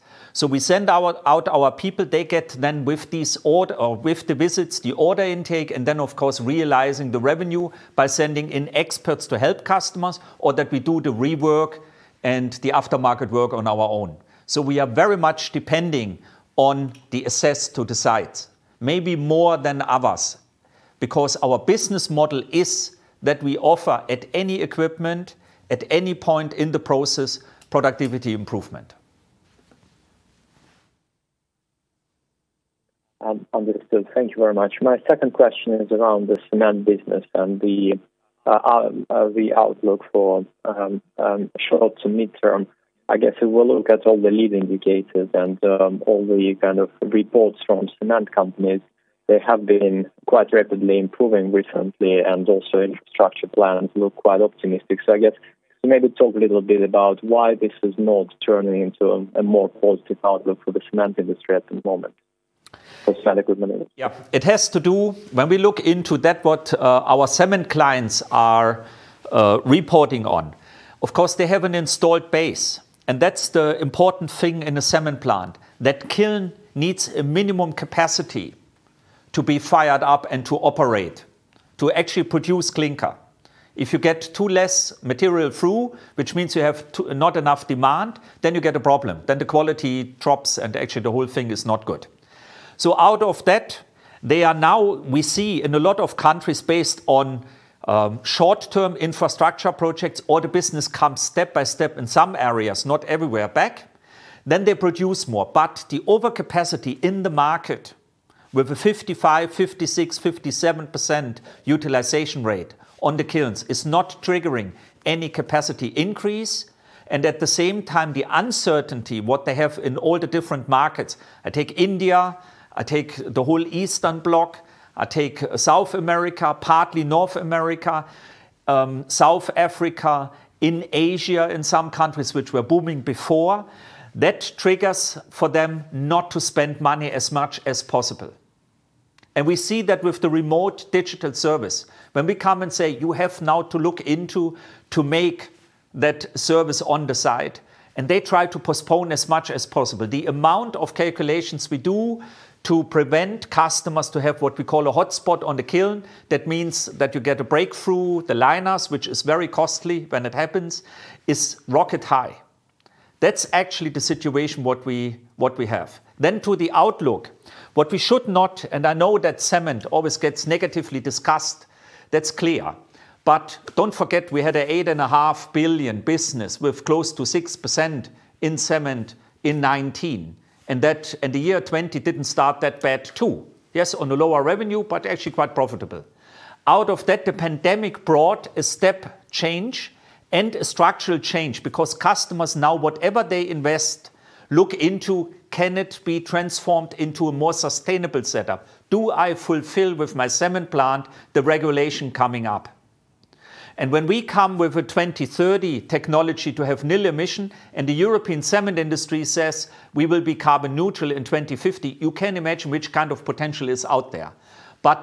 We send out our people, they get then with the visits, the order intake, and then, of course, realizing the revenue by sending in experts to help customers, or that we do the rework and the aftermarket work on our own. We are very much depending on the access to site. Maybe more than others, because our business model is that we offer at any equipment, at any point in the process, productivity improvement. Understood. Thank you very much. My second question is around the FLSmidth Cement business and the outlook for short to mid-term. I guess if we look at all the lead indicators and all the kind of reports from cement companies, they have been quite rapidly improving recently, and also infrastructure plans look quite optimistic. I guess maybe talk a little bit about why this is not turning into a more positive outlook for the cement industry at the moment. For cement equipment. It has to do, when we look into that what our cement clients are reporting on, of course they have an installed base. That's the important thing in a cement plant. That kiln needs a minimum capacity to be fired up and to operate, to actually produce clinker. If you get too less material through, which means you have not enough demand, then you get a problem. The quality drops, actually the whole thing is not good. Out of that, they are now, we see in a lot of countries based on short-term infrastructure projects, order business comes step by step in some areas, not everywhere, back. They produce more. The overcapacity in the market with the 55%, 56%, 57% utilization rate on the kilns is not triggering any capacity increase. At the same time, the uncertainty, what they have in all the different markets. I take India, I take the whole Eastern bloc, I take South America, partly North America, South Africa. In Asia, in some countries which were booming before. That triggers for them not to spend money as much as possible. We see that with the remote digital service. When we come and say, "You have now to look into to make that service on the side." They try to postpone as much as possible. The amount of calculations we do to prevent customers to have, what we call, a hotspot on the kiln. That means that you get a breakthrough, the liners, which is very costly when it happens, is rocket high. That's actually the situation what we have. To the outlook. What we should not, and I know that cement always gets negatively discussed, that's clear. Don't forget we had a 8.5 billion business with close to 6% in cement in 2019. The year 2020 didn't start that bad, too. Yes, on a lower revenue, but actually quite profitable. Out of that, the pandemic brought a step change and a structural change because customers now, whatever they invest, look into can it be transformed into a more sustainable setup? Do I fulfill with my cement plant the regulation coming up? When we come with a 2030 technology to have nil emission, the European cement industry says we will be carbon neutral in 2050, you can imagine which kind of potential is out there.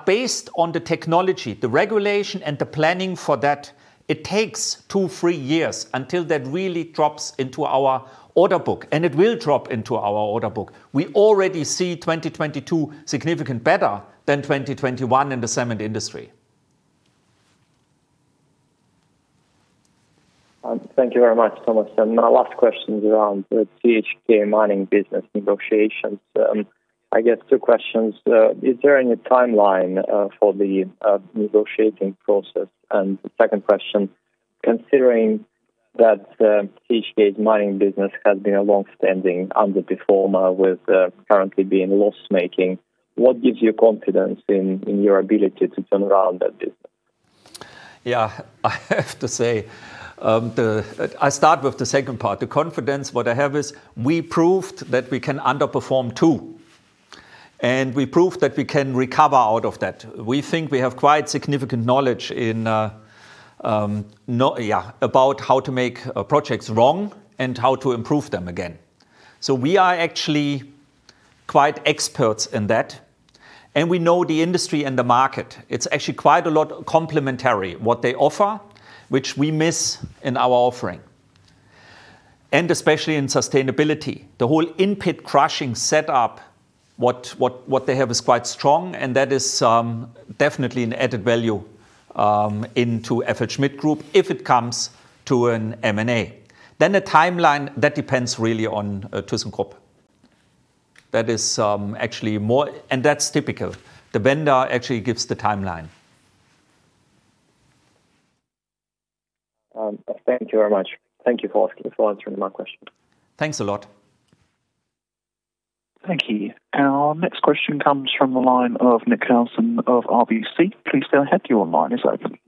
Based on the technology, the regulation and the planning for that, it takes two, three years until that really drops into our order book. It will drop into our order book. We already see 2022 significant better than 2021 in the cement industry. Thank you very much, Thomas. My last question is around the TK Mining business negotiations. I guess two questions. Is there any timeline for the negotiating process? The second question, considering that TK's Mining business has been a longstanding underperformer with currently being loss-making, what gives you confidence in your ability to turn around that business? Yeah. I have to say, I start with the second part. The confidence what I have is we proved that we can underperform, too. We proved that we can recover out of that. We think we have quite significant knowledge about how to make projects wrong and how to improve them again. We are actually quite experts in that, and we know the industry and the market. It's actually quite a lot complementary what they offer, which we miss in our offering. Especially in sustainability. The whole in-pit crushing set up, what they have is quite strong, and that is definitely an added value into FLSmidth Group if it comes to an M&A. The timeline, that depends really on thyssenkrupp. That's typical. The vendor actually gives the timeline. Thank you very much. Thank you for answering my question. Thanks a lot. Thank you. Our next question comes from the line of Nick Housden of RBC. Please go ahead. Your line is open.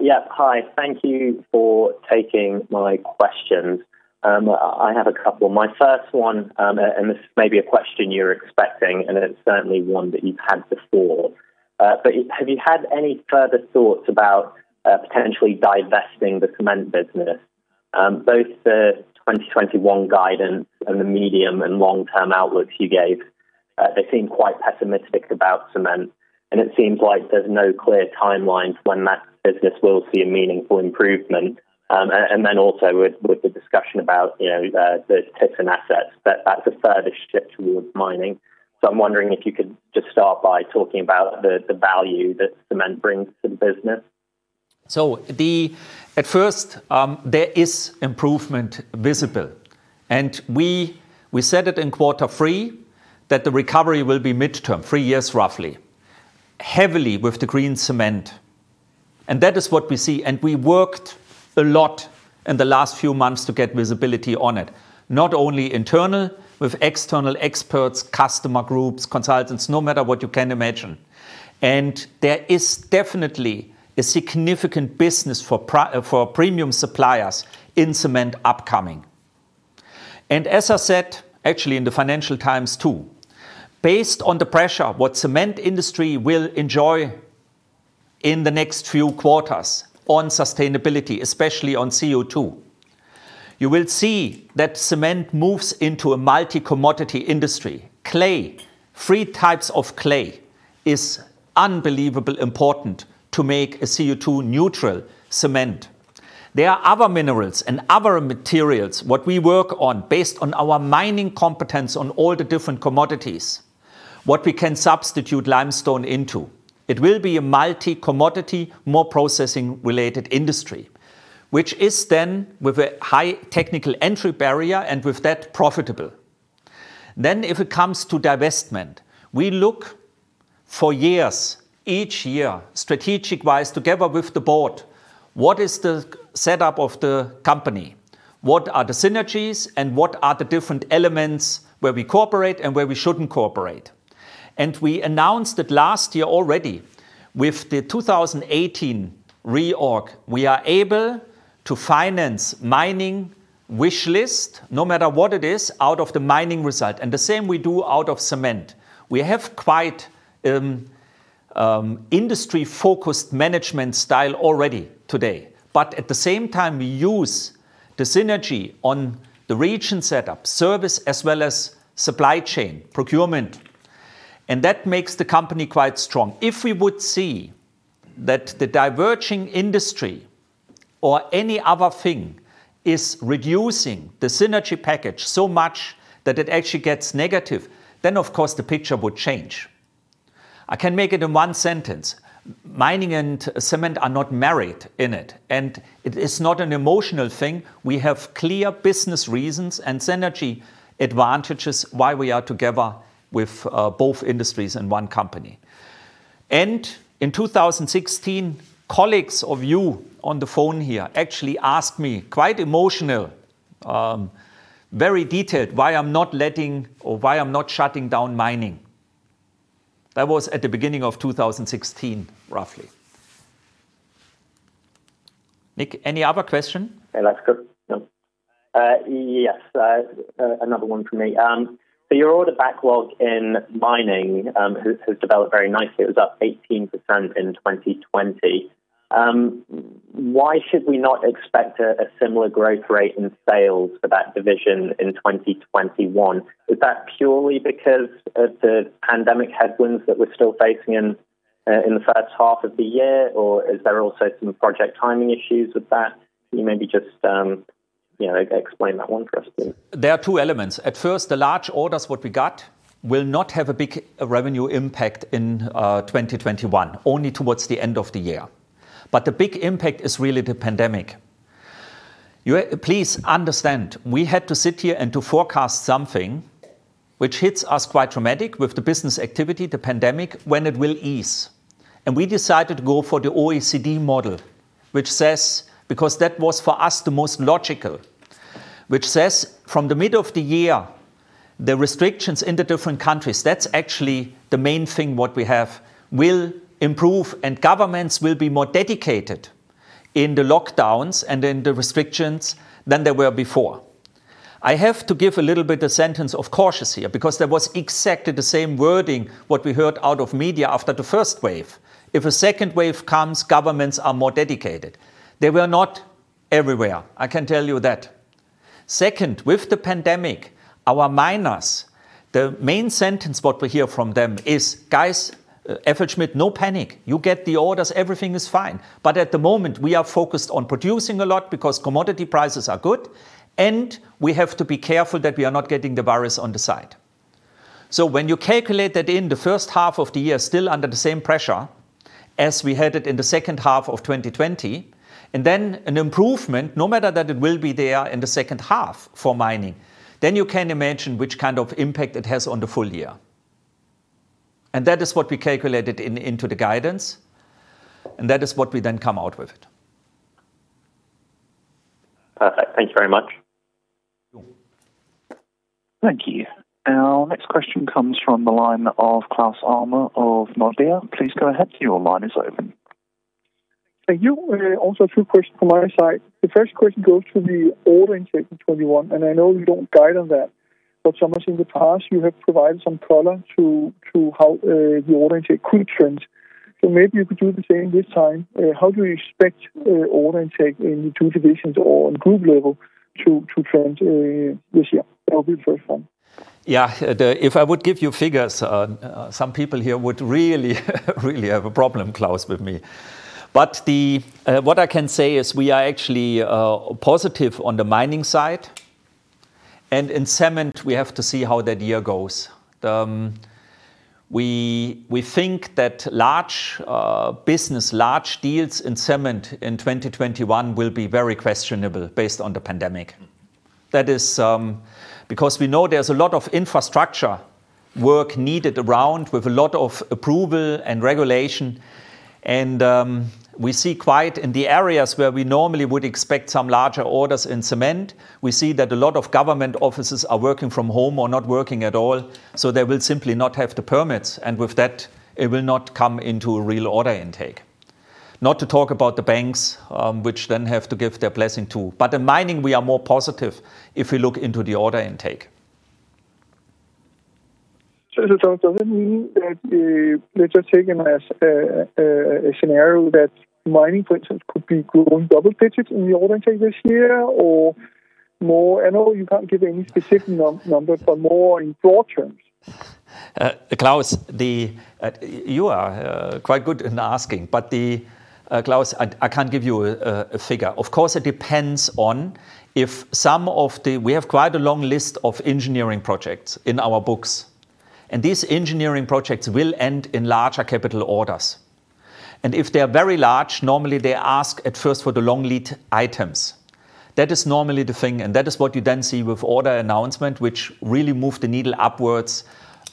Yeah. Hi. Thank you for taking my questions. I have a couple. My first one, this may be a question you're expecting, and it's certainly one that you've had before. Have you had any further thoughts about potentially divesting the Cement business? Both the 2021 guidance and the medium and long-term outlooks you gave, they seem quite pessimistic about Cement, and it seems like there's no clear timeline to when that business will see a meaningful improvement. Then also with the discussion about those TK Mining assets, that's a further shift towards mining. I'm wondering if you could just start by talking about the value that Cement brings to the business. At first, there is improvement visible, and we said it in quarter three, that the recovery will be midterm, three years roughly, heavily with the green cement. That is what we see. We worked a lot in the last few months to get visibility on it. Not only internal, with external experts, customer groups, consultants, no matter what you can imagine. There is definitely a significant business for premium suppliers in cement upcoming. As I said, actually in the Financial Times too, based on the pressure what cement industry will endure in the next few quarters on sustainability, especially on CO2, you will see that cement moves into a multi-commodity industry. Clay, three types of clay, is unbelievably important to make a CO2 neutral cement. There are other minerals and other materials, what we work on based on our mining competence on all the different commodities. What we can substitute limestone into. It will be a multi-commodity, more processing-related industry. Which is with a high technical entry barrier and with that profitable. If it comes to divestment, we look for years, each year, strategic-wise, together with the board. What is the setup of the company? What are the synergies and what are the different elements where we cooperate and where we shouldn't cooperate? We announced it last year already, with the 2018 reorg, we are able to finance mining wish list, no matter what it is, out of the mining result. The same we do out of cement. We have quite industry-focused management style already today. At the same time, we use the synergy on the region setup, service, as well as supply chain procurement, and that makes the company quite strong. If we would see that the diverging industry or any other thing is reducing the synergy package so much that it actually gets negative, then of course the picture would change. I can make it in one sentence. Mining and Cement are not married in it, and it is not an emotional thing. We have clear business reasons and synergy advantages why we are together with both industries in one company. In 2016, colleagues of you on the phone here actually asked me quite emotional, very detailed, why I am not letting or why I am not shutting down Mining. That was at the beginning of 2016, roughly. Nick, any other question? Hey, Lars. Good. Yes. Another one from me. Your order backlog in mining has developed very nicely. It was up 18% in 2020. Why should we not expect a similar growth rate in sales for that division in 2021? Is that purely because of the pandemic headwinds that we're still facing in the first half of the year, or is there also some project timing issues with that? Can you maybe just explain that one for us, please? There are two elements. At first, the large orders what we got will not have a big revenue impact in 2021, only towards the end of the year. The big impact is really the pandemic. Please understand, we had to sit here and to forecast something which hits us quite dramatic with the business activity, the pandemic, when it will ease. We decided to go for the OECD model, which says, because that was for us the most logical. Which says from the middle of the year, the restrictions in the different countries, that's actually the main thing what we have, will improve and governments will be more dedicated in the lockdowns and in the restrictions than they were before. I have to give a little bit a sentence of cautious here, because there was exactly the same wording what we heard out of media after the first wave. If a second wave comes, governments are more dedicated. They were not everywhere, I can tell you that. Second, with the pandemic, our miners, the main sentence what we hear from them is, "Guys, FLSmidth, no panic. You get the orders, everything is fine." At the moment, we are focused on producing a lot because commodity prices are good, and we have to be careful that we are not getting the virus on the side. When you calculate that in the first half of the year, still under the same pressure as we had it in the second half of 2020, and then an improvement, no matter that it will be there in the second half for mining, then you can imagine which kind of impact it has on the full year. That is what we calculated into the guidance, and that is what we then come out with. Perfect. Thank you very much. Sure. Thank you. Our next question comes from the line of Claus Almer of Nordea. Please go ahead. Your line is open. Thank you. A few questions from my side. The first question goes to the order intake in 2021, and I know you don't guide on that. Somewhere in the past, you have provided some color to how the order intake could trend. Maybe you could do the same this time. How do you expect order intake in the two divisions or on Group level to trend this year? That would be the first one. Yeah. If I would give you figures, some people here would really have a problem, Claus, with me. What I can say is we are actually positive on the mining side, and in cement, we have to see how the year goes. We think that large business, large deals in cement in 2021 will be very questionable based on the pandemic. That is because we know there's a lot of infrastructure work needed around, with a lot of approval and regulation. We see quite, in the areas where we normally would expect some larger orders in cement, we see that a lot of government offices are working from home or not working at all. They will simply not have the permits, and with that, it will not come into a real order intake. Not to talk about the banks, which then have to give their blessing, too. In mining, we are more positive if we look into the order intake. Does that mean that they're just taking a scenario that mining, for instance, could be growing double digits in the order intake this year? I know you can't give any specific numbers, but more in broad terms. Claus, you are quite good in asking, but Claus, I can't give you a figure. Of course, it depends on if we have quite a long list of engineering projects in our books. These engineering projects will end in larger capital orders. If they are very large, normally they ask at first for the long lead items. That is normally the thing, and that is what you then see with order announcement, which really move the needle upwards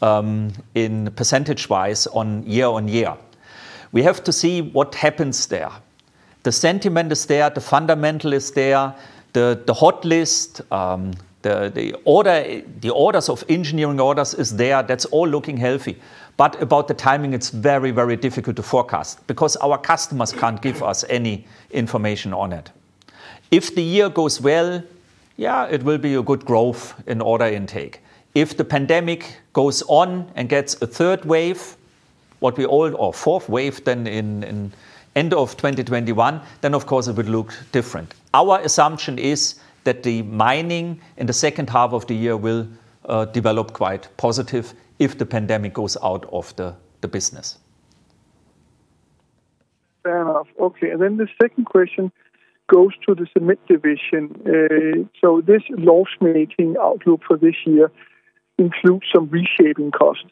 in percentage-wise year-over-year. We have to see what happens there. The sentiment is there. The fundamental is there. The hot list, the orders of engineering orders is there. That's all looking healthy. About the timing, it's very difficult to forecast because our customers can't give us any information on it. If the year goes well, yeah, it will be a good growth in order intake. If the pandemic goes on and gets a third wave, or fourth wave, then in end of 2021, then, of course, it would look different. Our assumption is that the mining in the second half of the year will develop quite positive if the pandemic goes out of the business. Fair enough. Okay, the second question goes to the Cement division. This loss-making outlook for this year includes some reshaping costs.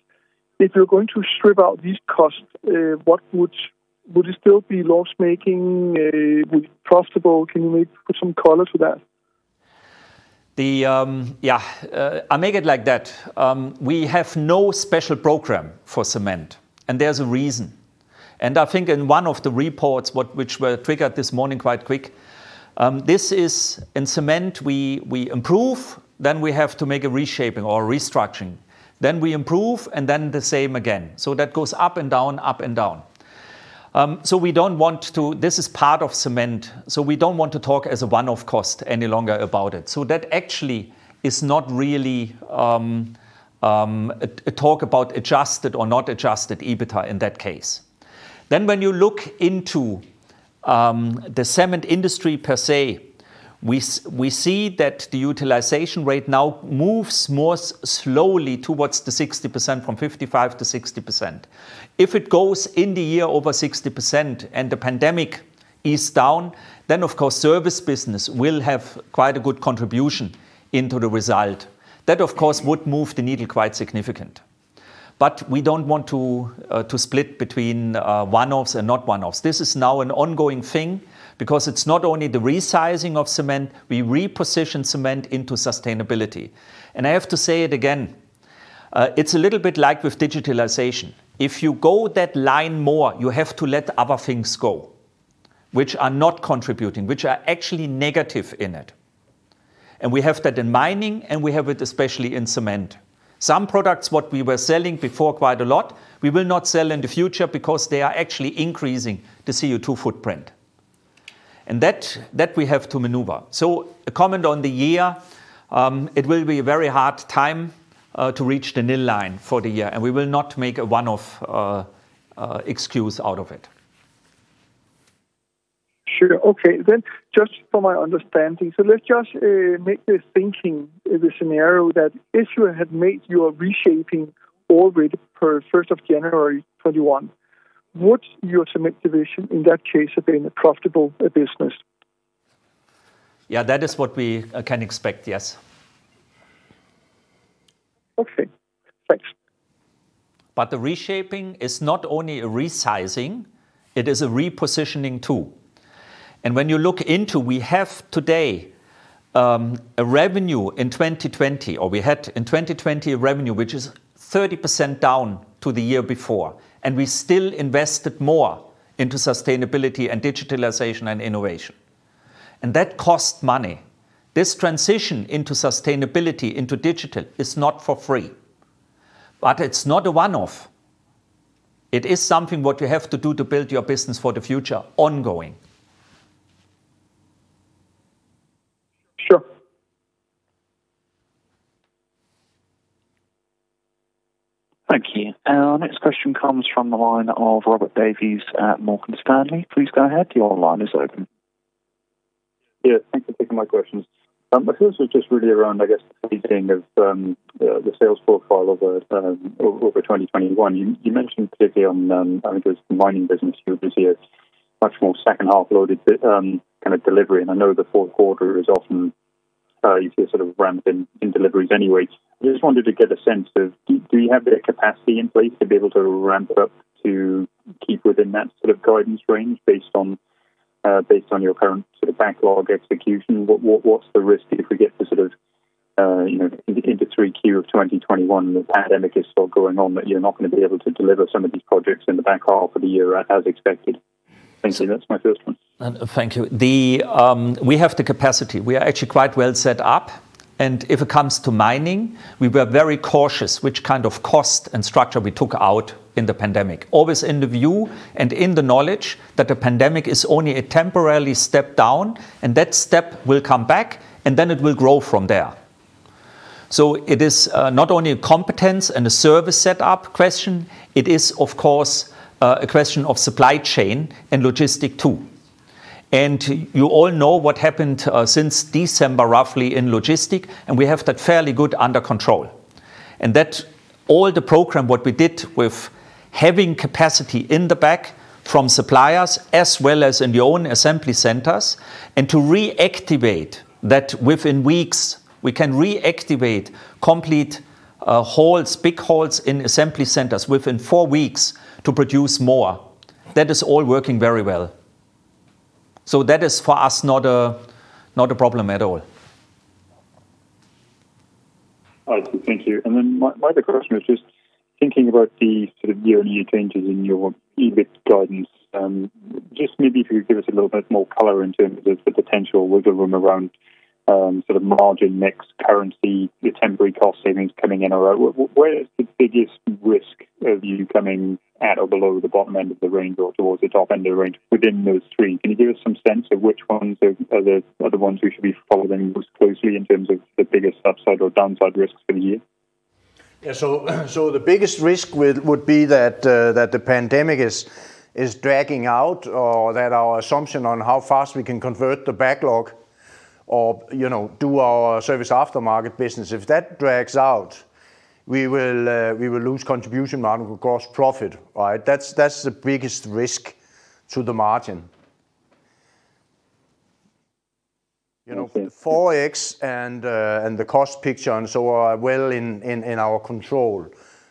If you're going to strip out these costs, would it still be loss-making? Would it be profitable? Can you put some color to that? Yeah. I make it like that. We have no special program for Cement, there's a reason. I think in one of the reports which were triggered this morning quite quick, in Cement we improve, then we have to make a reshaping or restructuring. We improve, then the same again. That goes up and down. We don't want to. This is part of Cement, so we don't want to talk as a one-off cost any longer about it. That actually is not really a talk about adjusted or not adjusted EBITDA in that case. When you look into the Cement industry per se, we see that the utilization rate now moves more slowly towards the 60%, from 55%-60%. If it goes in the year over 60% and the pandemic is down, then, of course, service business will have quite a good contribution into the result. We don't want to split between one-offs and not one-offs. This is now an ongoing thing because it's not only the resizing of Cement, we reposition Cement into sustainability. I have to say it again. It's a little bit like with digitalization. If you go that line more, you have to let other things go, which are not contributing, which are actually negative in it. We have that in mining, and we have it especially in Cement. Some products, what we were selling before quite a lot, we will not sell in the future because they are actually increasing the CO2 footprint. That we have to maneuver. A comment on the year, it will be a very hard time to reach the nil line for the year, and we will not make a one-off excuse out of it. Sure. Okay, just for my understanding. Let's just make this thinking, the scenario that if you had made your reshaping already per 1st of January 2021, would your cement division in that case have been a profitable business? Yeah. That is what we can expect, yes. Okay. Thanks. The reshaping is not only a resizing, it is a repositioning, too. When you look into, we have today a revenue in 2020, or we had in 2020 a revenue which is 30% down to the year before, and we still invested more into sustainability and digitalization and innovation. That cost money. This transition into sustainability, into digital, is not for free. It's not a one-off. It is something what you have to do to build your business for the future ongoing. Sure. Thank you. Our next question comes from the line of Robert Davies at Morgan Stanley. Please go ahead. Your line is open. Yeah, thanks for taking my questions. My first was just really around, I guess, the thinking of the sales profile over 2021. You mentioned particularly on, I think it was the mining business, you would see a much more second half loaded kind of delivery, and I know the fourth quarter is often you see a sort of ramp in deliveries anyway. I just wanted to get a sense of, do you have the capacity in place to be able to ramp up to keep within that sort of guidance range based on your current sort of backlog execution? What's the risk if we get to sort of into 3Q of 2021, the pandemic is still going on, that you're not going to be able to deliver some of these projects in the back half of the year as expected? Thanks, that's my first one. Thank you. We have the capacity. We are actually quite well set up. If it comes to mining, we were very cautious which kind of cost and structure we took out in the pandemic. Always in the view and in the knowledge that a pandemic is only a temporary step down. That step will come back. It will grow from there. It is not only a competence and a service set up question, it is of course, a question of supply chain and logistic too. You all know what happened since December, roughly, in logistic. We have that fairly good under control. That all the program, what we did with having capacity in the back from suppliers as well as in the own assembly centers, and to reactivate that within weeks, we can reactivate complete halts, big halts in assembly centers within four weeks to produce more. That is all working very well. That is, for us, not a problem at all. All right. Thank you. My other question was just thinking about the sort of year-on-year changes in your EBIT guidance. Maybe if you could give us a little bit more color in terms of the potential wiggle room around sort of margin mix currency, your temporary cost savings coming in or out. Where is the biggest risk of you coming at or below the bottom end of the range or towards the top end of the range within those three? Can you give us some sense of which ones are the ones we should be following most closely in terms of the biggest upside or downside risks for the year? Yeah. The biggest risk would be that the pandemic is dragging out or that our assumption on how fast we can convert the backlog or do our service aftermarket business. If that drags out, we will lose contribution margin, of course, profit, right? That's the biggest risk to the margin. The Forex and the cost picture and so are well in our control.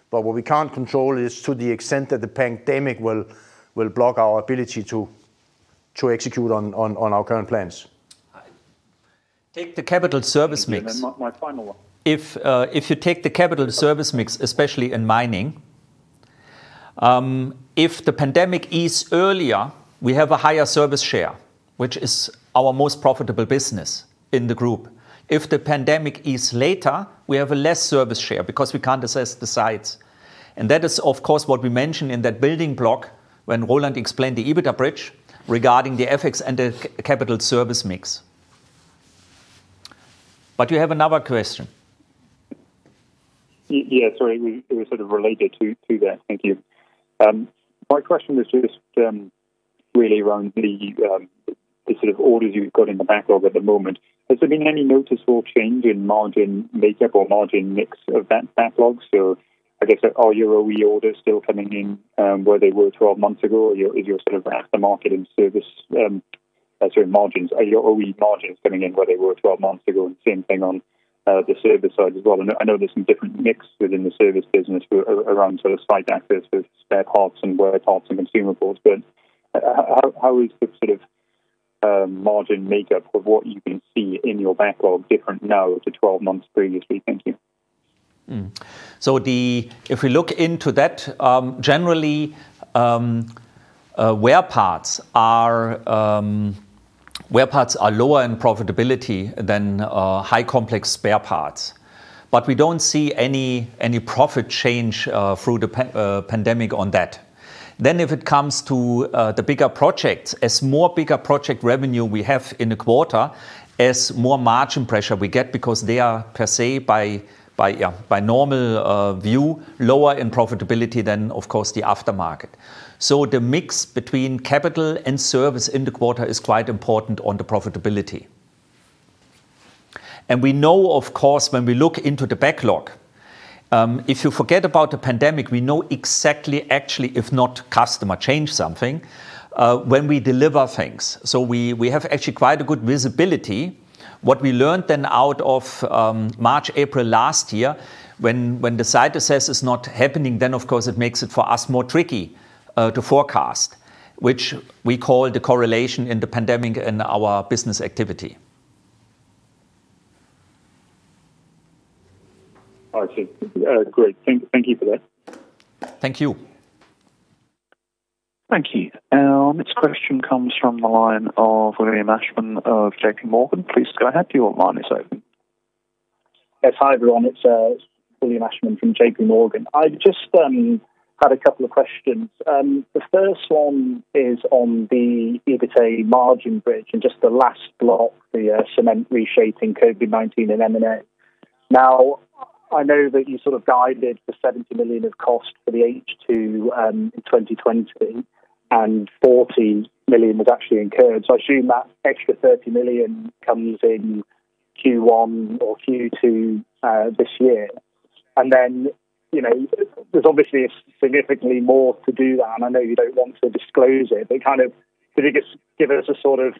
What we can't control is to the extent that the pandemic will block our ability to execute on our current plans. Take the capital service mix. My final one. If you take the capital service mix, especially in mining, if the pandemic is earlier, we have a higher service share, which is our most profitable business in the group. If the pandemic is later, we have a less service share because we can't assess the sites. That is, of course, what we mentioned in that building block when Roland explained the EBITDA bridge regarding the FX and the capital service mix. You have another question. Yeah, sorry. It was sort of related to that. Thank you. My question was just really around the sort of orders you've got in the backlog at the moment. Has there been any noticeable change in margin makeup or margin mix of that backlog? I guess, are your OE orders still coming in where they were 12 months ago? Or are your OE margins coming in where they were 12 months ago? Same thing on the service side as well. I know there's some different mix within the service business around sort of site access of spare parts and wear parts and consumables. How is the sort of margin makeup of what you can see in your backlog different now to 12 months previously? Thank you. If we look into that, generally wear parts are lower in profitability than high complex spare parts. We don't see any profit change through the pandemic on that. If it comes to the bigger projects, as more bigger project revenue we have in a quarter, as more margin pressure we get because they are per se by normal view, lower in profitability than, of course, the aftermarket. The mix between capital and service in the quarter is quite important on the profitability. We know, of course, when we look into the backlog, if you forget about the pandemic, we know exactly actually if not customer change something, when we deliver things. We have actually quite a good visibility. What we learned then out of March, April last year, when the site access is not happening, of course it makes it for us more tricky to forecast, which we call the correlation in the pandemic in our business activity. All right. Great. Thank you for that. Thank you. Thank you. Our next question comes from the line of William Ashman of JPMorgan. Please go ahead. Your line is open. Yes. Hi, everyone. It's William Ashman from JP Morgan. I just had a couple of questions. The first one is on the EBITA margin bridge, and just the last block, the Cement reshaping COVID-19 and M&A. I know that you sort of guided the 70 million of cost for the H2 in 2020, and 40 million was actually incurred. I assume that extra 30 million comes in Q1 or Q2 this year. There's obviously significantly more to do, and I know you don't want to disclose it, but could you just give us a sort of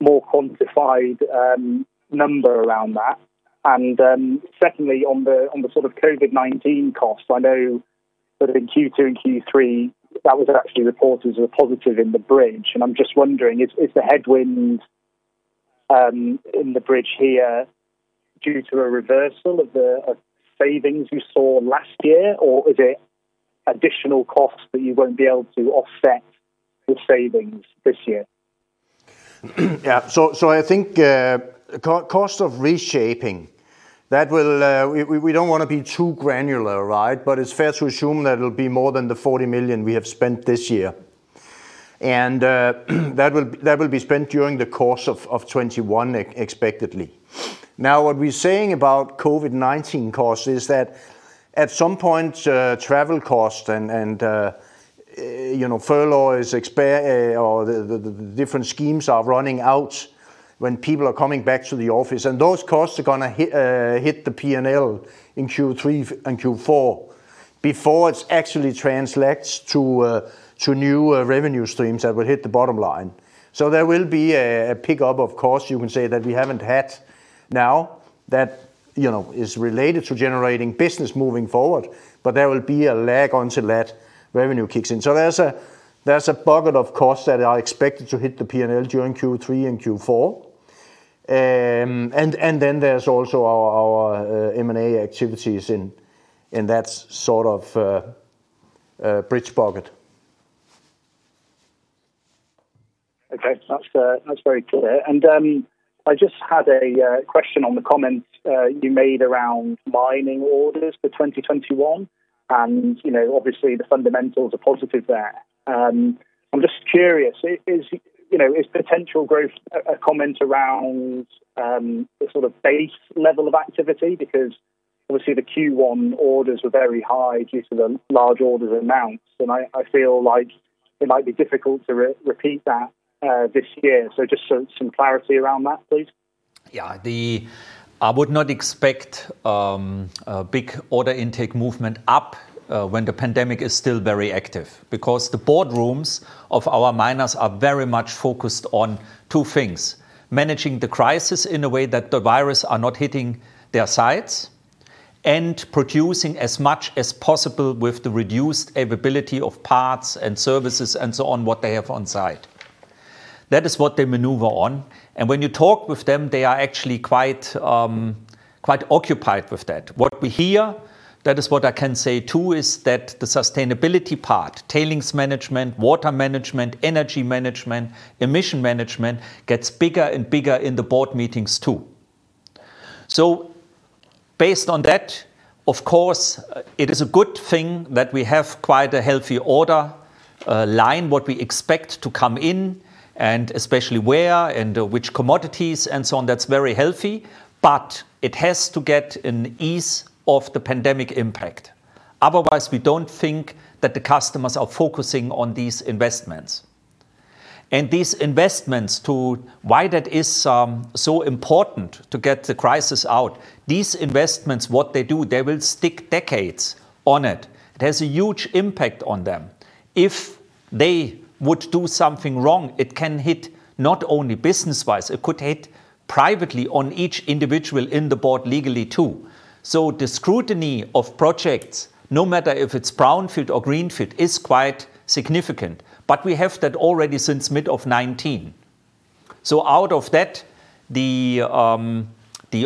more quantified number around that? Secondly, on the sort of COVID-19 costs, I know that in Q2 and Q3, that was actually reported as a positive in the bridge, and I'm just wondering, is the headwind in the bridge here due to a reversal of the savings you saw last year, or is it additional costs that you won't be able to offset with savings this year? I think cost of reshaping. We don't want to be too granular, right? It's fair to assume that it'll be more than the 40 million we have spent this year. That will be spent during the course of 2021, expectedly. What we're saying about COVID-19 costs is that at some point, travel costs and furloughs or the different schemes are running out when people are coming back to the office, and those costs are going to hit the P&L in Q3 and Q4 before it actually translates to new revenue streams that will hit the bottom line. There will be a pickup of costs, you can say, that we haven't had now that is related to generating business moving forward, but there will be a lag until that revenue kicks in. There's a bucket of costs that are expected to hit the P&L during Q3 and Q4. Then there's also our M&A activities in that sort of bridge bucket. Okay. That's very clear. I just had a question on the comments you made around mining orders for 2021, and obviously the fundamentals are positive there. I'm just curious. Is potential growth a comment around the sort of base level of activity? Because obviously the Q1 orders were very high due to the large orders amounts, and I feel like it might be difficult to repeat that this year. Just some clarity around that, please. Yeah. I would not expect a big order intake movement up when the pandemic is still very active because the boardrooms of our miners are very much focused on two things, managing the crisis in a way that the virus are not hitting their sites and producing as much as possible with the reduced availability of parts and services and so on what they have on site. That is what they maneuver on. When you talk with them, they are actually quite occupied with that. What we hear, that is what I can say, too, is that the sustainability part, tailings management, water management, energy management, emission management, gets bigger and bigger in the board meetings, too. Based on that, of course, it is a good thing that we have quite a healthy order line, what we expect to come in, and especially where and which commodities and so on. That's very healthy. It has to get an ease of the pandemic impact. Otherwise, we don't think that the customers are focusing on these investments. These investments, too, why that is so important to get the crisis out. These investments, what they do, they will stick decades on it. It has a huge impact on them. If they would do something wrong, it can hit not only business-wise, it could hit privately on each individual in the board legally, too. The scrutiny of projects, no matter if it's brownfield or greenfield, is quite significant. We have that already since mid of 2019. Out of that, the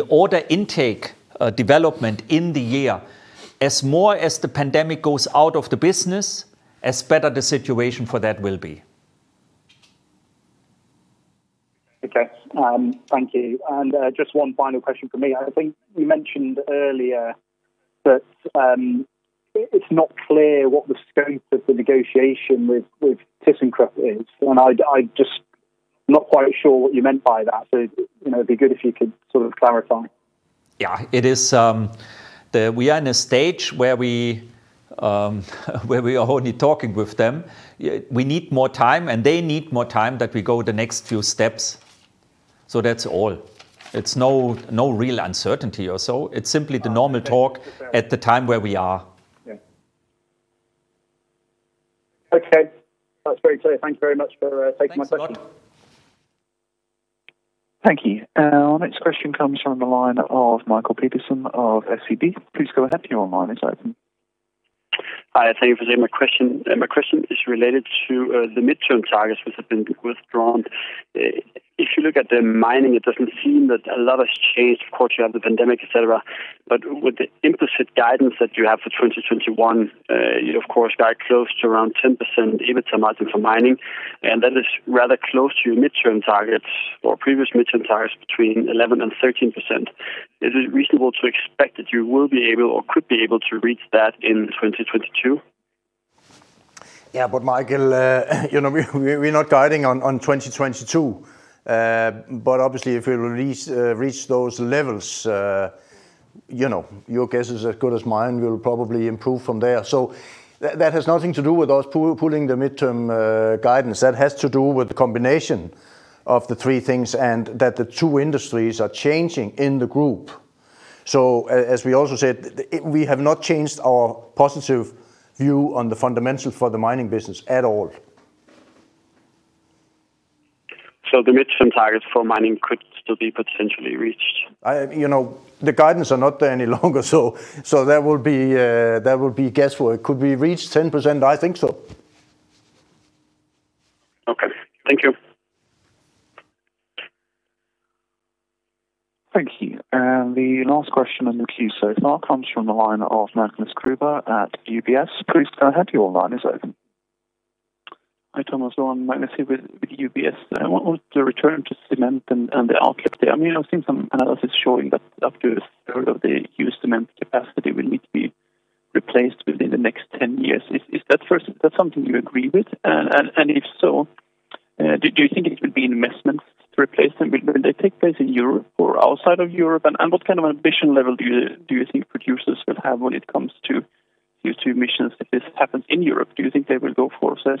order intake development in the year, as more as the pandemic goes out of the business, as better the situation for that will be. Okay. Thank you. Just one final question from me. I think you mentioned earlier that it's not clear what the scope of the negotiation with thyssenkrupp is, and I'm just not quite sure what you meant by that. It'd be good if you could sort of clarify. Yeah. We are in a stage where we are only talking with them. We need more time, and they need more time that we go the next few steps. That's all. It's no real uncertainty or so. It's simply the normal talk at the time where we are. Yeah. Okay. That's very clear. Thank you very much for taking my question. Thanks a lot. Thank you. Our next question comes from the line of Mikael Petersen of SEB. Please go ahead. Your line is open. Hi. Thank you for taking my question. My question is related to the midterm targets, which have been withdrawn. If you look at the mining, it doesn't seem that a lot has changed. Of course, you have the pandemic, et cetera. With the implicit guidance that you have for 2021, you of course guide close to around 10% EBITDA margin for mining, and that is rather close to your mid-term targets or previous mid-term targets between 11%-13%. Is it reasonable to expect that you will be able or could be able to reach that in 2022? Yeah. Mikael, we're not guiding on 2022. Obviously if we reach those levels, your guess is as good as mine. We'll probably improve from there. That has nothing to do with us pulling the mid-term guidance. That has to do with the combination of the three things, and that the two industries are changing in the group. As we also said, we have not changed our positive view on the fundamentals for the mining business at all. The mid-term targets for mining could still be potentially reached? The guidance are not there any longer, so that would be guesswork. Could we reach 10%? I think so. Okay. Thank you. Thank you. The last question in the queue so far comes from the line of Magnus Kruber at UBS. Please, go ahead. Hi, Thomas. Magnus here with UBS. I want to return to cement and the outlook there. I've seen some analysis showing that up to a third of the used cement capacity will need to be replaced within the next 10 years. Is that first, that something you agree with? And if so, do you think it will be investments to replace them? Will they take place in Europe or outside of Europe? And what kind of ambition level do you think producers will have when it comes to CO2 emissions if this happens in Europe? Do you think they will go for, say,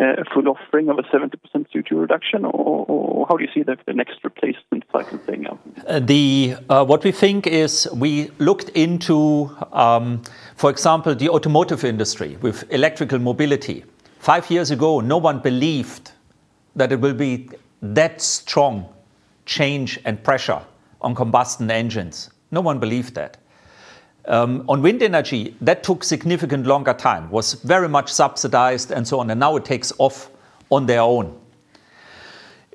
a full offering of a 70% CO2 reduction? Or how do you see the next replacement cycle playing out? What we think is we looked into, for example, the automotive industry with electrical mobility. Five years ago, no one believed that it will be that strong change and pressure on combustion engines. No one believed that. On wind energy, that took significant longer time, was very much subsidized and so on, and now it takes off on their own.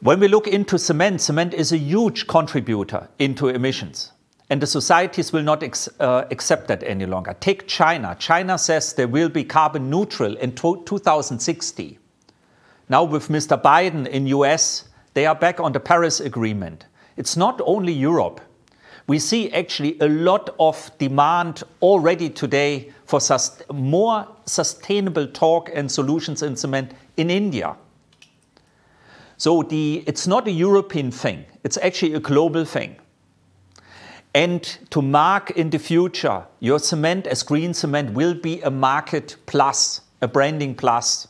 When we look into cement is a huge contributor into emissions, and the societies will not accept that any longer. Take China. China says they will be carbon neutral in 2060. Now with Mr. Biden in U.S., they are back on the Paris Agreement. It's not only Europe. We see actually a lot of demand already today for more sustainable talk and solutions in cement in India. It's not a European thing. It's actually a global thing. To mark in the future, your cement as green cement will be a market plus, a branding plus.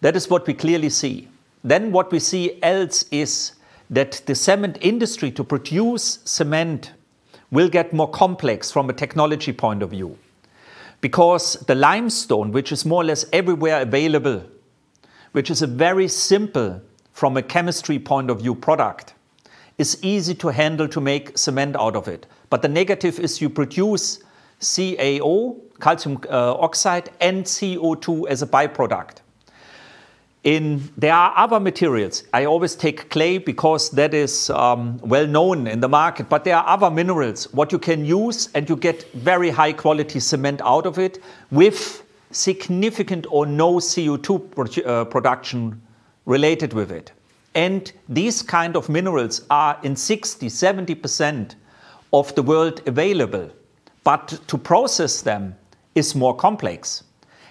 That is what we clearly see. What we see else is that the cement industry to produce cement will get more complex from a technology point of view. The limestone, which is more or less everywhere available, which is a very simple from a chemistry point of view product, is easy to handle to make cement out of it. The negative is you produce CaO, calcium oxide, and CO2 as a by-product. There are other materials. I always take clay because that is well known in the market, but there are other minerals what you can use, and you get very high-quality cement out of it with significant or no CO2 production related with it. These kind of minerals are in 60, 70% of the world available. To process them is more complex.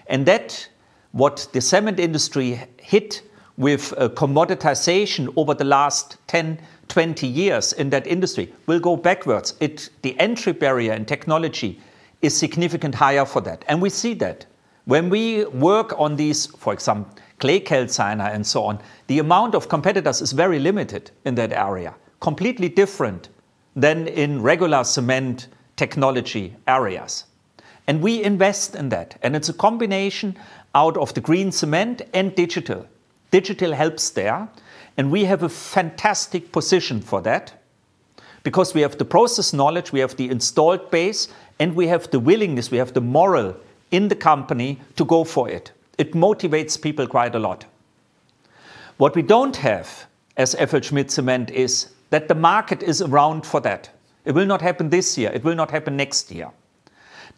That, what the cement industry hit with commoditization over the last 10, 20 years in that industry will go backwards. The entry barrier in technology is significant higher for that, we see that. When we work on these, for example, clay calciner and so on, the amount of competitors is very limited in that area. Completely different than in regular cement technology areas. We invest in that, and it's a combination out of the green cement and digital. Digital helps there, we have a fantastic position for that because we have the process knowledge, we have the installed base, and we have the willingness, we have the moral in the company to go for it. It motivates people quite a lot. What we don't have as FLSmidth Cement is that the market is around for that. It will not happen this year. It will not happen next year.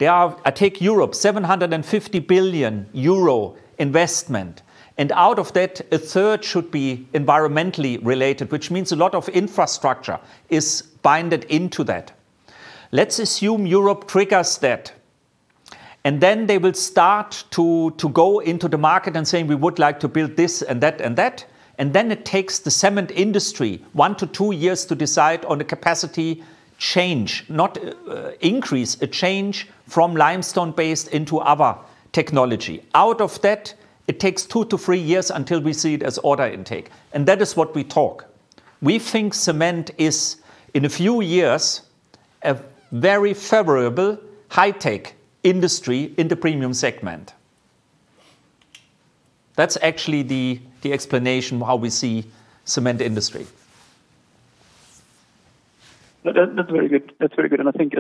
I take Europe, 750 billion euro investment. Out of that, a third should be environmentally related, which means a lot of infrastructure is binded into that. Let's assume Europe triggers that, then they will start to go into the market and saying, "We would like to build this and that and that." Then it takes the cement industry one to two years to decide on a capacity change, not increase, a change from limestone-based into other technology. Out of that, it takes two to three years until we see it as order intake. That is what we talk. We think cement is, in a few years, a very favorable high-tech industry in the premium segment. That's actually the explanation how we see cement industry. That's very good. I think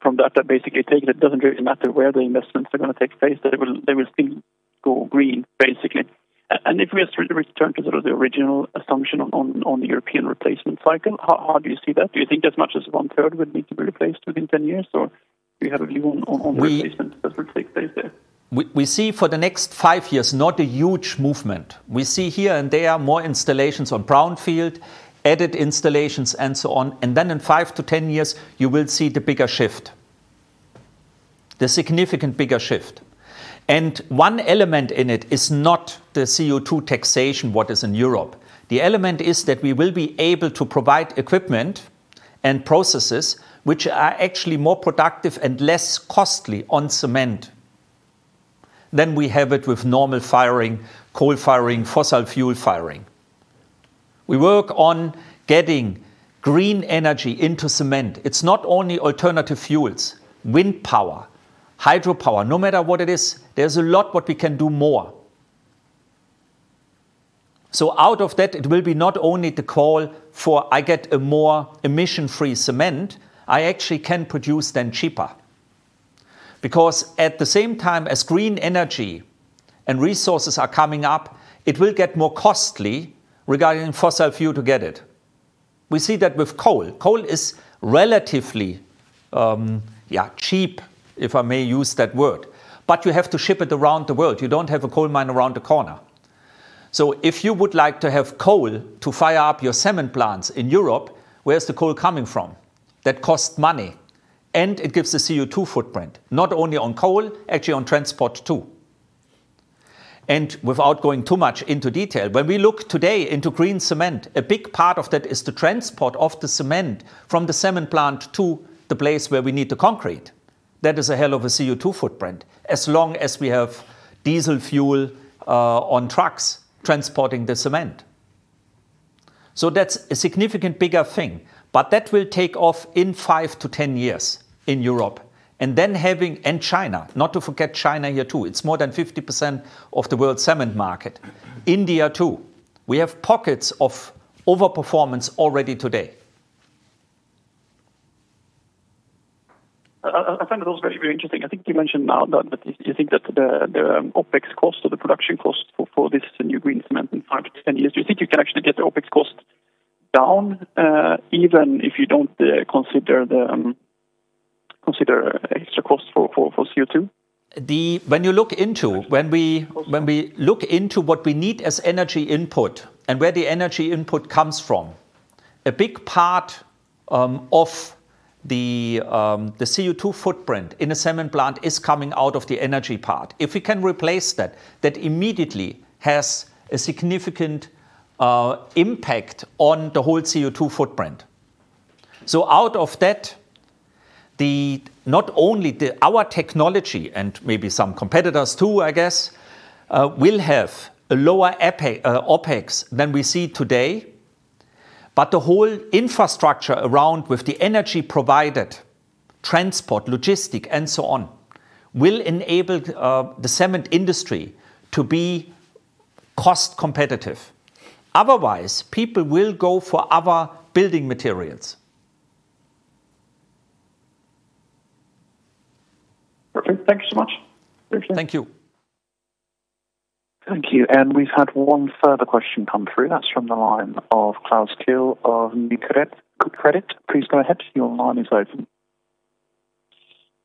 from that, I basically take it doesn't really matter where the investments are going to take place, that they will still go green, basically. If we return to the original assumption on the European replacement cycle, how do you see that? Do you think as much as one third would need to be replaced within 10 years, or do you have a view on replacement as it stays there? We see for the next five years not a huge movement. We see here and there are more installations on brownfield, added installations and so on. Then in five to 10 years, you will see the bigger shift. The significant bigger shift. One element in it is not the CO2 taxation what is in Europe. The element is that we will be able to provide equipment and processes which are actually more productive and less costly on cement than we have it with normal firing, coal firing, fossil fuel firing. We work on getting green energy into cement. It's not only alternative fuels. Wind power, hydropower, no matter what it is, there's a lot what we can do more. Out of that, it will be not only the call for I get a more emission-free cement, I actually can produce then cheaper. Because at the same time as green energy and resources are coming up, it will get more costly regarding fossil fuel to get it. We see that with coal. Coal is relatively cheap, if I may use that word. You have to ship it around the world. You don't have a coal mine around the corner. If you would like to have coal to fire up your cement plants in Europe, where's the coal coming from? That costs money, and it gives a CO2 footprint, not only on coal, actually on transport too. Without going too much into detail, when we look today into green cement, a big part of that is the transport of the cement from the cement plant to the place where we need the concrete. That is a hell of a CO2 footprint as long as we have diesel fuel on trucks transporting the cement. That's a significant bigger thing. That will take off in five to 10 years in Europe. China, not to forget China here too. It's more than 50% of the world's cement market. India too. We have pockets of over-performance already today. I find those very interesting. I think you mentioned now that you think that the OpEx cost or the production cost for this new green cement in five to 10 years, do you think you can actually get the OpEx cost down, even if you don't consider extra cost for CO2? When we look into what we need as energy input and where the energy input comes from, a big part of the CO2 footprint in a cement plant is coming out of the energy part. If we can replace that immediately has a significant impact on the whole CO2 footprint. Out of that, not only our technology and maybe some competitors too, I guess, will have a lower OpEx than we see today. The whole infrastructure around with the energy provided, transport, logistic, and so on, will enable the cement industry to be cost competitive. Otherwise, people will go for other building materials. Perfect. Thank you so much. Appreciate it. Thank you. Thank you. And we've had one further question come through. That's from the line of Klaus Kehl of Nykredit. Please go ahead. Your line is open.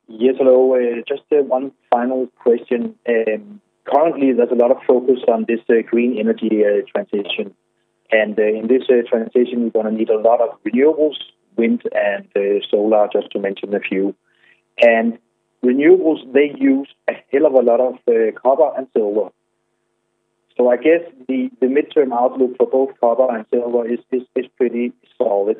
Yes, hello. Just one final question. Currently, there's a lot of focus on this green energy transition. In this transition, we're going to need a lot of renewables, wind and solar, just to mention a few. Renewables, they use a hell of a lot of copper and silver. I guess the midterm outlook for both copper and silver is pretty solid.